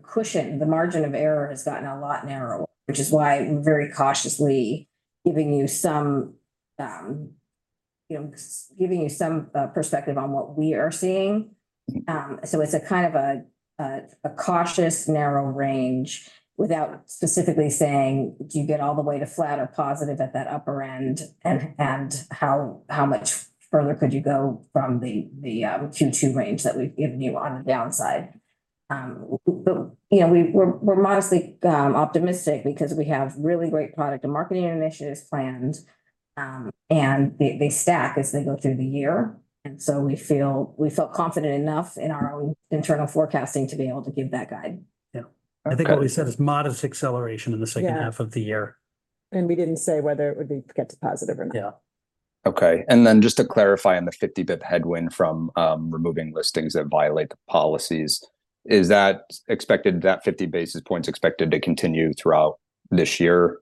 cushion, the margin of error has gotten a lot narrower, which is why I'm very cautiously giving you some, you know, giving you some perspective on what we are seeing. So it's a kind of a cautious, narrow range, without specifically saying, do you get all the way to flat or positive at that upper end? How much further could you go from the Q2 range that we've given you on the downside? But you know, we're modestly optimistic because we have really great product and marketing initiatives planned, and they stack as they go through the year. And so we felt confident enough in our own internal forecasting to be able to give that guide. Yeah. I think what we said is modest acceleration- Yeah... in the second half of the year. We didn't say whether it would get to positive or not. Yeah. Okay, and then just to clarify on the 50 bips headwind from removing listings that violate the policies, is that expected, that 50 basis points expected to continue throughout this year?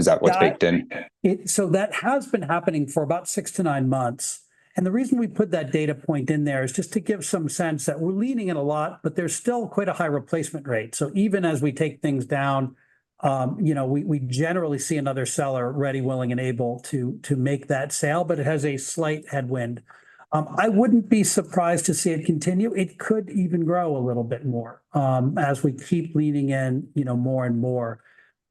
Is that what's baked in? That has been happening for about 6-9 months, and the reason we put that data point in there is just to give some sense that we're leaning in a lot, but there's still quite a high replacement rate. So even as we take things down, you know, we generally see another seller ready, willing, and able to make that sale, but it has a slight headwind. I wouldn't be surprised to see it continue. It could even grow a little bit more, as we keep leaning in, you know, more and more.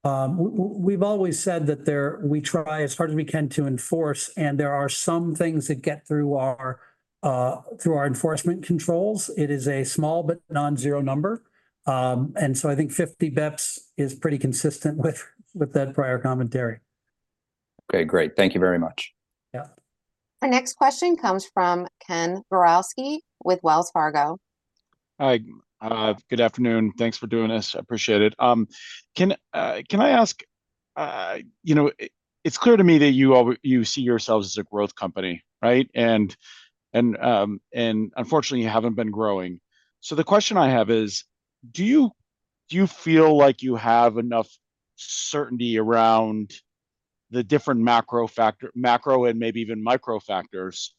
We've always said that there we try as hard as we can to enforce, and there are some things that get through our enforcement controls. It is a small but non-zero number. And so I think 50 bps is pretty consistent with that prior commentary. Okay, great. Thank you very much. Yeah. Our next question comes from Ken Gawrelski with Wells Fargo. Hi, good afternoon. Thanks for doing this. I appreciate it. Can I ask... You know, it's clear to me that you see yourselves as a growth company, right? Unfortunately, you haven't been growing. So the question I have is, do you feel like you have enough certainty around the different macro and maybe even micro factors,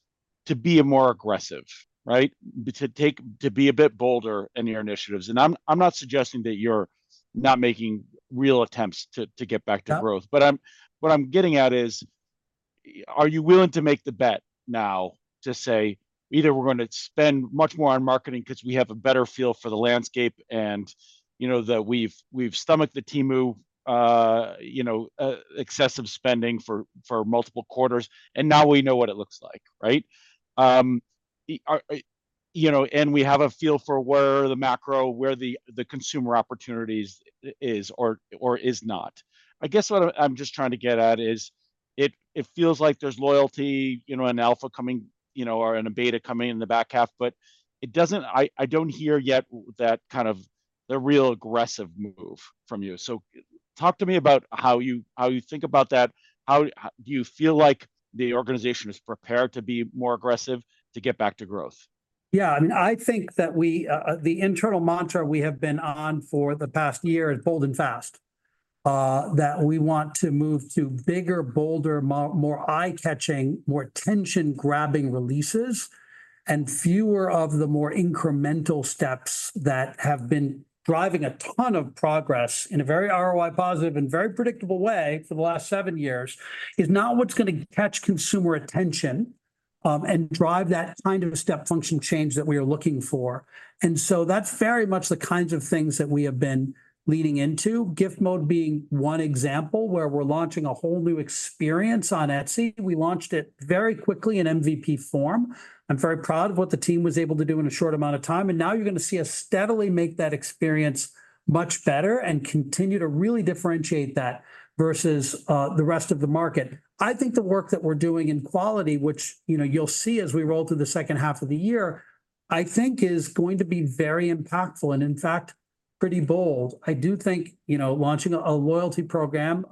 to be more aggressive, right? To be a bit bolder in your initiatives. And I'm not suggesting that you're not making real attempts to get back to growth. Yeah But what I'm getting at is, are you willing to make the bet now to say, "Either we're gonna spend much more on marketing 'cause we have a better feel for the landscape, and, you know, that we've, we've stomached the Temu, you know, excessive spending for, for multiple quarters, and now we know what it looks like," right? You know, and we have a feel for where the macro, where the consumer opportunities is, or, or is not. I guess what I'm just trying to get at is, it feels like there's loyalty, you know, and alpha coming, you know, or and a beta coming in the back half, but it doesn't... I don't hear yet that kind of, the real aggressive move from you. So, talk to me about how you, how you think about that. How do you feel like the organization is prepared to be more aggressive to get back to growth? Yeah, and I think that we, the internal mantra we have been on for the past year is bold and fast. That we want to move to bigger, bolder, more, more eye-catching, more attention-grabbing releases, and fewer of the more incremental steps that have been driving a ton of progress in a very ROI positive and very predictable way for the last seven years, is not what's gonna catch consumer attention, and drive that kind of a step function change that we are looking for. And so that's very much the kinds of things that we have been leading into. Gift Mode being one example, where we're launching a whole new experience on Etsy. We launched it very quickly in MVP form. I'm very proud of what the team was able to do in a short amount of time, and now you're gonna see us steadily make that experience much better and continue to really differentiate that, versus the rest of the market. I think the work that we're doing in quality, which, you know, you'll see as we roll through the second half of the year, I think is going to be very impactful, and in fact, pretty bold. I do think, you know, launching a loyalty program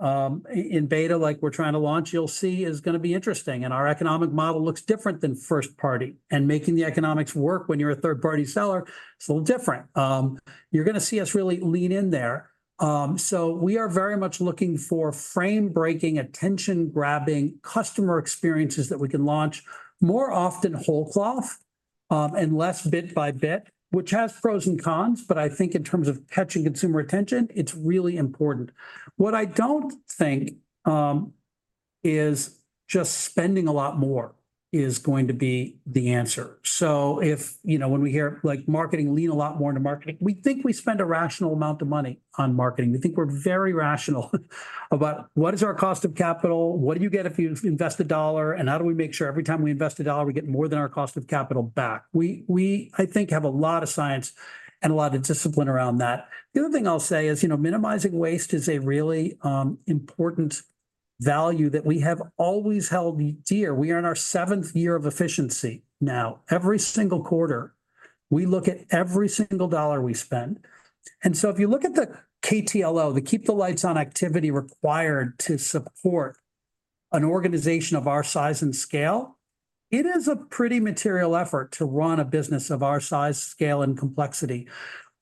in beta, like we're trying to launch, you'll see, is gonna be interesting. And our economic model looks different than first party, and making the economics work when you're a third-party seller is a little different. You're gonna see us really lean in there. So we are very much looking for frame-breaking, attention-grabbing customer experiences that we can launch more often whole cloth, and less bit by bit, which has pros and cons, but I think in terms of catching consumer attention, it's really important. What I don't think is just spending a lot more is going to be the answer. So if, you know, when we hear, like, marketing lean a lot more into marketing, we think we spend a rational amount of money on marketing. We think we're very rational about what is our cost of capital, what do you get if you invest a dollar, and how do we make sure every time we invest a dollar, we get more than our cost of capital back? We, I think, have a lot of science and a lot of discipline around that. The other thing I'll say is, you know, minimizing waste is a really important value that we have always held dear. We are in our seventh year of efficiency now. Every single quarter, we look at every single dollar we spend. And so if you look at the KTLO, the keep the lights on activity required to support an organization of our size and scale, it is a pretty material effort to run a business of our size, scale, and complexity.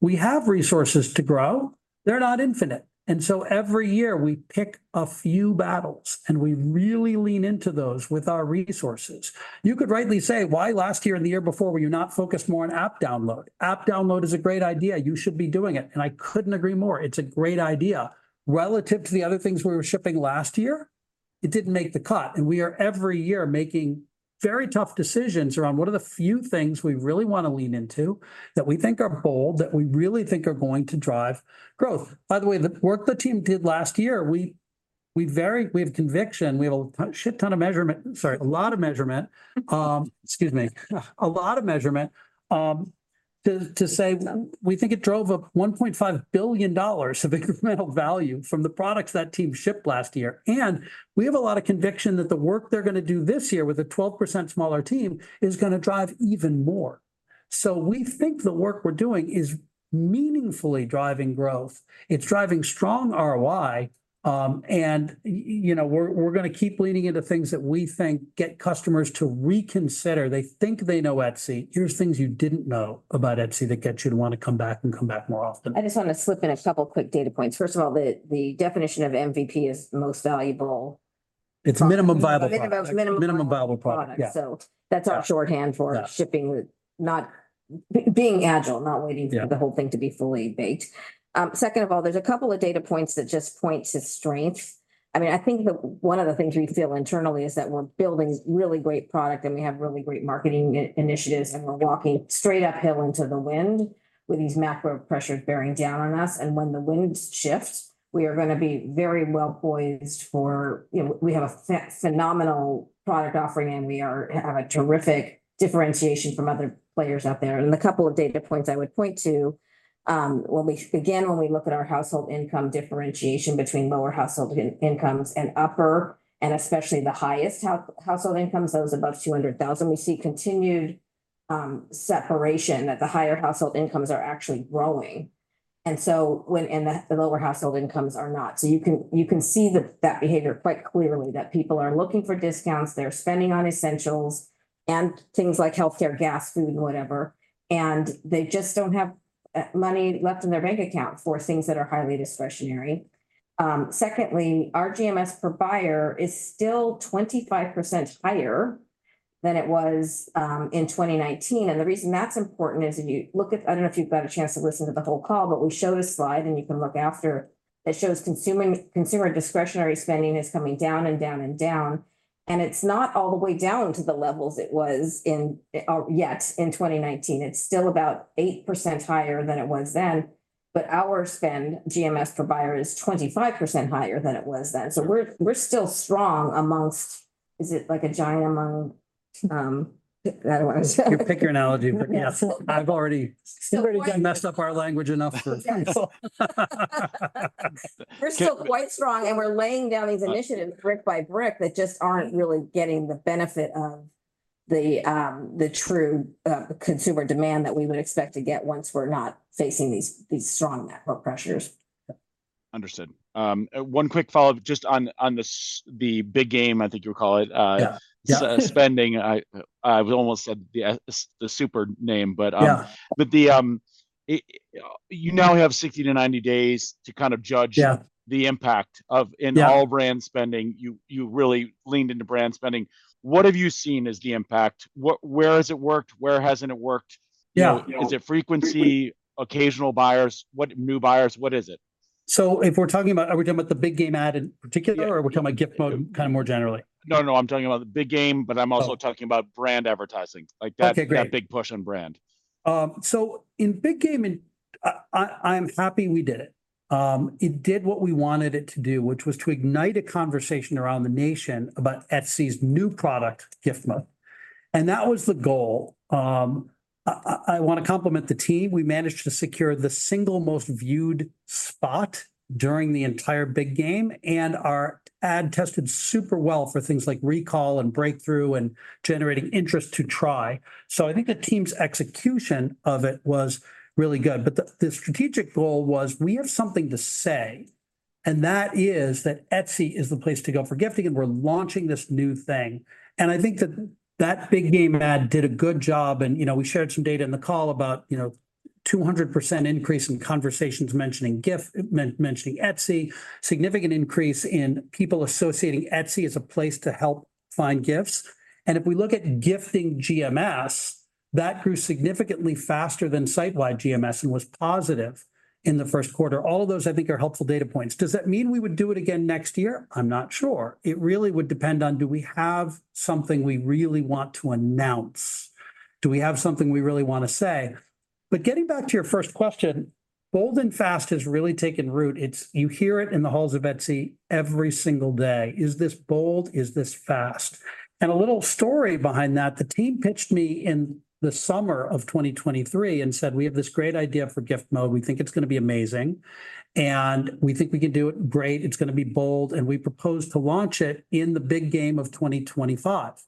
We have resources to grow. They're not infinite, and so every year we pick a few battles, and we really lean into those with our resources. You could rightly say, "Why last year and the year before were you not focused more on app download? App download is a great idea. You should be doing it." And I couldn't agree more. It's a great idea. Relative to the other things we were shipping last year, it didn't make the cut, and we are every year making very tough decisions around what are the few things we really wanna lean into that we think are bold, that we really think are going to drive growth. By the way, the work the team did last year, we have conviction. We have a ton-shit ton of measurement. Sorry, a lot of measurement, excuse me. A lot of measurement to say we think it drove $1.5 billion of incremental value from the products that team shipped last year. And we have a lot of conviction that the work they're gonna do this year with a 12% smaller team is gonna drive even more. So we think the work we're doing is meaningfully driving growth. It's driving strong ROI. You know, we're gonna keep leaning into things that we think get customers to reconsider. They think they know Etsy. Here's things you didn't know about Etsy that get you to want to come back and come back more often. I just wanna slip in a couple quick data points. First of all, the definition of MVP is the most valuable- It's minimum viable product. Minimum viable product. Minimum viable product. Yeah. That's our shorthand- Yeah... for shipping, not being agile, not waiting- Yeah... for the whole thing to be fully baked. Second of all, there's a couple of data points that just point to strength. I mean, I think that one of the things we feel internally is that we're building really great product, and we have really great marketing initiatives, and we're walking straight uphill into the wind with these macro pressures bearing down on us. And when the winds shift, we are gonna be very well poised for... You know, we have a phenomenal product offering, and we are, have a terrific differentiation from other players out there. The couple of data points I would point to, when we look at our household income differentiation between lower household incomes and upper, and especially the highest household incomes, those above 200,000, we see continued separation, that the higher household incomes are actually growing, and the lower household incomes are not. So you can see that behavior quite clearly, that people are looking for discounts. They're spending on essentials and things like healthcare, gas, food, whatever, and they just don't have money left in their bank account for things that are highly discretionary. Secondly, our GMS per buyer is still 25% higher than it was in 2019, and the reason that's important is if you look at... I don't know if you've got a chance to listen to the whole call, but we showed a slide, and you can look after, that shows consuming, consumer discretionary spending is coming down, and down, and down, and it's not all the way down to the levels it was in yet in 2019. It's still about 8% higher than it was then. But our spend, GMS per buyer, is 25% higher than it was then. So we're, we're still strong amongst... Is it, like, a giant among, I don't wanna say? You pick your analogy, but yeah. Yeah. I've already- Still quite- You've already done messed up our language enough for today. We're still quite strong, and we're laying down these initiatives brick by brick that just aren't really getting the benefit of the, the true, consumer demand that we would expect to get once we're not facing these, these strong macro pressures. Understood. One quick follow-up just on the Big Game, I think you would call it. Yeah, yeah.... spending. I almost said the super name, but... Yeah... but the you now have 60-90 days to kind of judge- Yeah... the impact of- Yeah... in all brand spending. You, you really leaned into brand spending. What have you seen as the impact? What- where has it worked? Where hasn't it worked? Yeah. You know, is it frequency, occasional buyers, what, new buyers? What is it? So if we're talking about, are we talking about the Big Game ad in particular? Yeah... or are we talking about Gift Mode kind of more generally? No, no, I'm talking about the Big Game, but I'm also- Okay... talking about brand advertising, like that- Okay, great... that big push on brand. So in Big Game, I'm happy we did it. It did what we wanted it to do, which was to ignite a conversation around the nation about Etsy's new product, Gift Mode, and that was the goal. I wanna compliment the team. We managed to secure the single most viewed spot during the entire Big Game, and our ad tested super well for things like recall, and breakthrough, and generating interest to try. So I think the team's execution of it was really good. But the strategic goal was, we have something to say, and that is that Etsy is the place to go for gifting, and we're launching this new thing. And I think that that Big Game ad did a good job, and, you know, we shared some data in the call about, you know, 200% increase in conversations mentioning Gift, mentioning Etsy. Significant increase in people associating Etsy as a place to help find gifts. And if we look at gifting GMS, that grew significantly faster than sitewide GMS and was positive in the first quarter. All of those, I think, are helpful data points. Does that mean we would do it again next year? I'm not sure. It really would depend on, do we have something we really want to announce? Do we have something we really wanna say? But getting back to your first question, bold and fast has really taken root. It's... You hear it in the halls of Etsy every single day. "Is this bold? Is this fast?" And a little story behind that, the team pitched me in the summer of 2023 and said, "We have this great idea for Gift Mode. We think it's gonna be amazing, and we think we can do it great. It's gonna be bold, and we propose to launch it in the Big Game of 2025."...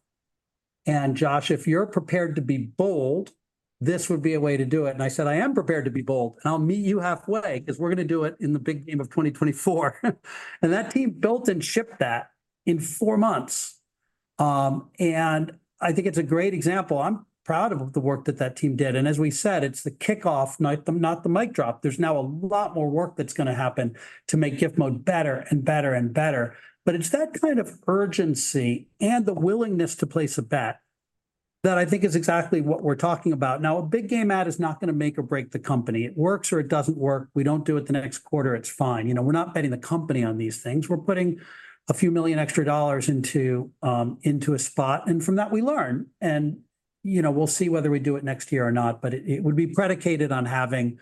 and Josh, if you're prepared to be bold, this would be a way to do it. And I said, "I am prepared to be bold, and I'll meet you halfway, 'cause we're gonna do it in the Big Game of 2024." And that team built and shipped that in 4 months. And I think it's a great example. I'm proud of the work that that team did, and as we said, it's the kickoff, not the mic drop. There's now a lot more work that's gonna happen to make Gift Mode better and better and better. But it's that kind of urgency and the willingness to place a bet that I think is exactly what we're talking about. Now, a Big Game ad is not gonna make or break the company. It works or it doesn't work. We don't do it the next quarter, it's fine. You know, we're not betting the company on these things. We're putting a few million extra dollar into a spot, and from that, we learn. And, you know, we'll see whether we do it next year or not, but it would be predicated on having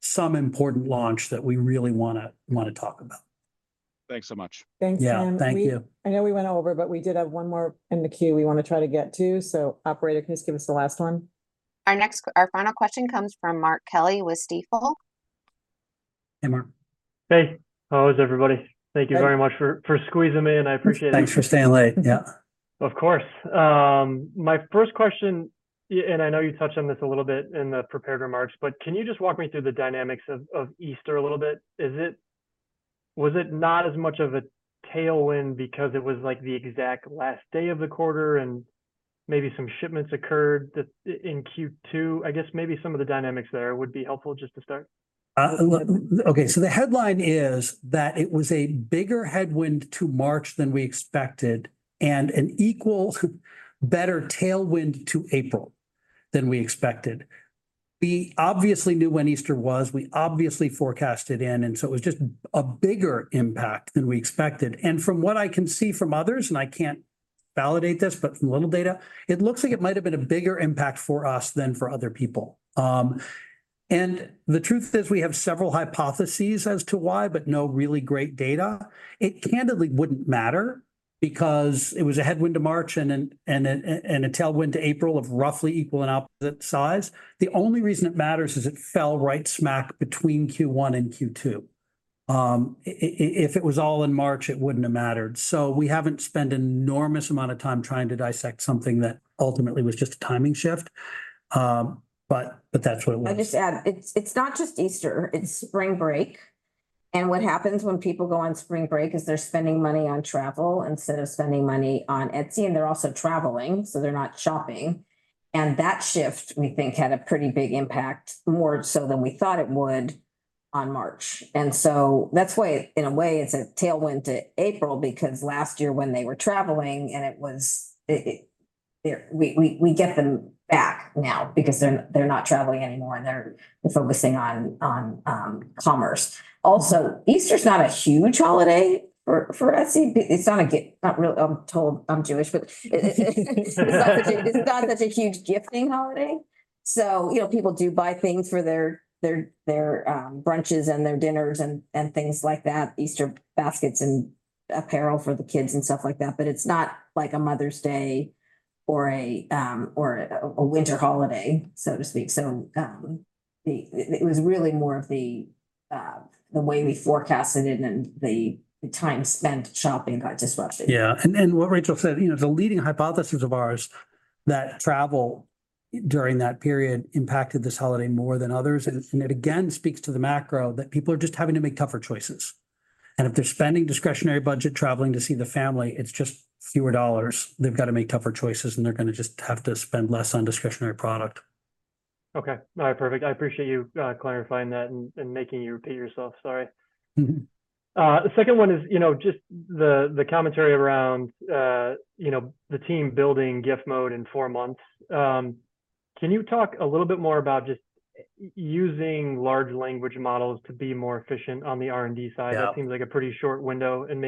some important launch that we really wanna talk about. Thanks so much. Thanks, Ken. Yeah, thank you. I know we went over, but we did have one more in the queue we wanna try to get to, so operator, can you just give us the last one? Our next, our final question comes from Mark Kelley with Stifel. Hey, Mark. Hey. How is everybody? Hey. Thank you very much for squeezing me in. I appreciate it. Thanks for staying late, yeah. Of course. My first question, and I know you touched on this a little bit in the prepared remarks, but can you just walk me through the dynamics of, of Easter a little bit? Is it... Was it not as much of a tailwind because it was, like, the exact last day of the quarter, and maybe some shipments occurred that in Q2? I guess maybe some of the dynamics there would be helpful just to start. Okay, so the headline is that it was a bigger headwind to March than we expected, and an equal, better tailwind to April than we expected. We obviously knew when Easter was. We obviously forecasted in, and so it was just a bigger impact than we expected. And from what I can see from others, and I can't validate this, but from little data, it looks like it might have been a bigger impact for us than for other people. And the truth is, we have several hypotheses as to why, but no really great data. It candidly wouldn't matter, because it was a headwind to March, and then a tailwind to April of roughly equal and opposite size. The only reason it matters is it fell right smack between Q1 and Q2. If it was all in March, it wouldn't have mattered. So we haven't spent an enormous amount of time trying to dissect something that ultimately was just a timing shift. But that's what it was. I'll just add, it's not just Easter, it's spring break. And what happens when people go on spring break is they're spending money on travel instead of spending money on Etsy, and they're also traveling, so they're not shopping. And that shift, we think, had a pretty big impact, more so than we thought it would, on March. And so that's why, in a way, it's a tailwind to April, because last year, when they were traveling, we get them back now, because they're not traveling anymore and they're focusing on commerce. Also, Easter's not a huge holiday for Etsy. It's not really. I'm told, I'm Jewish, but it's not such a huge gifting holiday. So, you know, people do buy things for their brunches and their dinners and things like that, Easter baskets and apparel for the kids and stuff like that, but it's not like a Mother's Day or a winter holiday, so to speak. So, it was really more of the way we forecasted it and the time spent shopping got disrupted. Yeah, and what Rachel said, you know, the leading hypothesis of ours, that travel during that period impacted this holiday more than others. And it again speaks to the macro, that people are just having to make tougher choices. And if they're spending discretionary budget traveling to see the family, it's just fewer dollars. They've got to make tougher choices, and they're gonna just have to spend less on discretionary product. Okay. All right, perfect. I appreciate you, clarifying that and, and making you repeat yourself. Sorry. Mm-hmm. The second one is, you know, just the commentary around, you know, the team building Gift Mode in four months. Can you talk a little bit more about just using large language models to be more efficient on the R&D side? Yeah. That seems like a pretty short window, and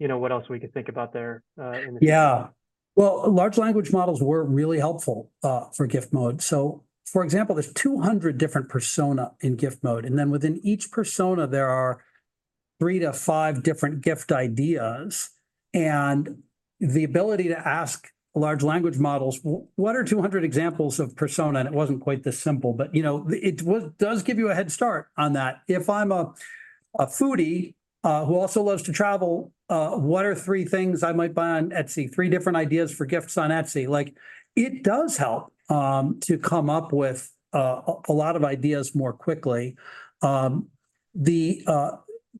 maybe, you know, what else we could think about there in the future. Yeah. Well, large language models were really helpful for Gift Mode. So, for example, there's 200 different persona in Gift Mode, and then within each persona, there are three to five different gift ideas. And the ability to ask large language models, "What are 200 examples of persona?" And it wasn't quite this simple, but, you know, the, it does give you a head start on that. "If I'm a foodie who also loves to travel, what are three things I might buy on Etsy? Three different ideas for gifts on Etsy." Like, it does help to come up with a lot of ideas more quickly. The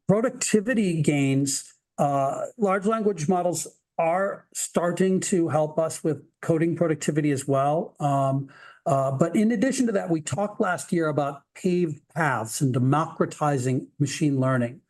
productivity gains large language models are starting to help us with coding productivity as well. But in addition to that, we talked last year about paved paths and democratizing machine learning,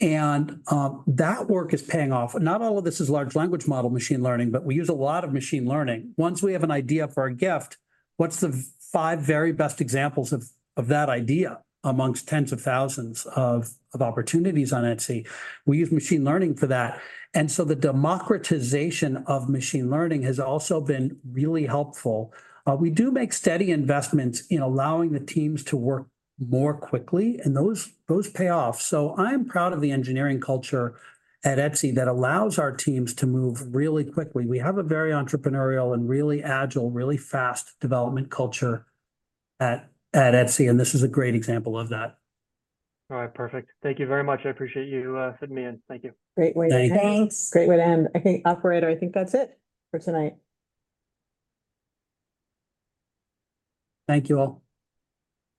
and, that work is paying off. Not all of this is large language model machine learning, but we use a lot of machine learning. Once we have an idea for a gift, what's the five very best examples of that idea amongst tens of thousands of opportunities on Etsy? We use machine learning for that. And so the democratization of machine learning has also been really helpful. We do make steady investments in allowing the teams to work more quickly, and those pay off. So I'm proud of the engineering culture at Etsy that allows our teams to move really quickly. We have a very entrepreneurial and really agile, really fast development culture at Etsy, and this is a great example of that. All right, perfect. Thank you very much. I appreciate you fitting me in. Thank you. Great way to end. Thank you. Thanks! Great way to end. I think, operator, I think that's it for tonight. Thank you, all.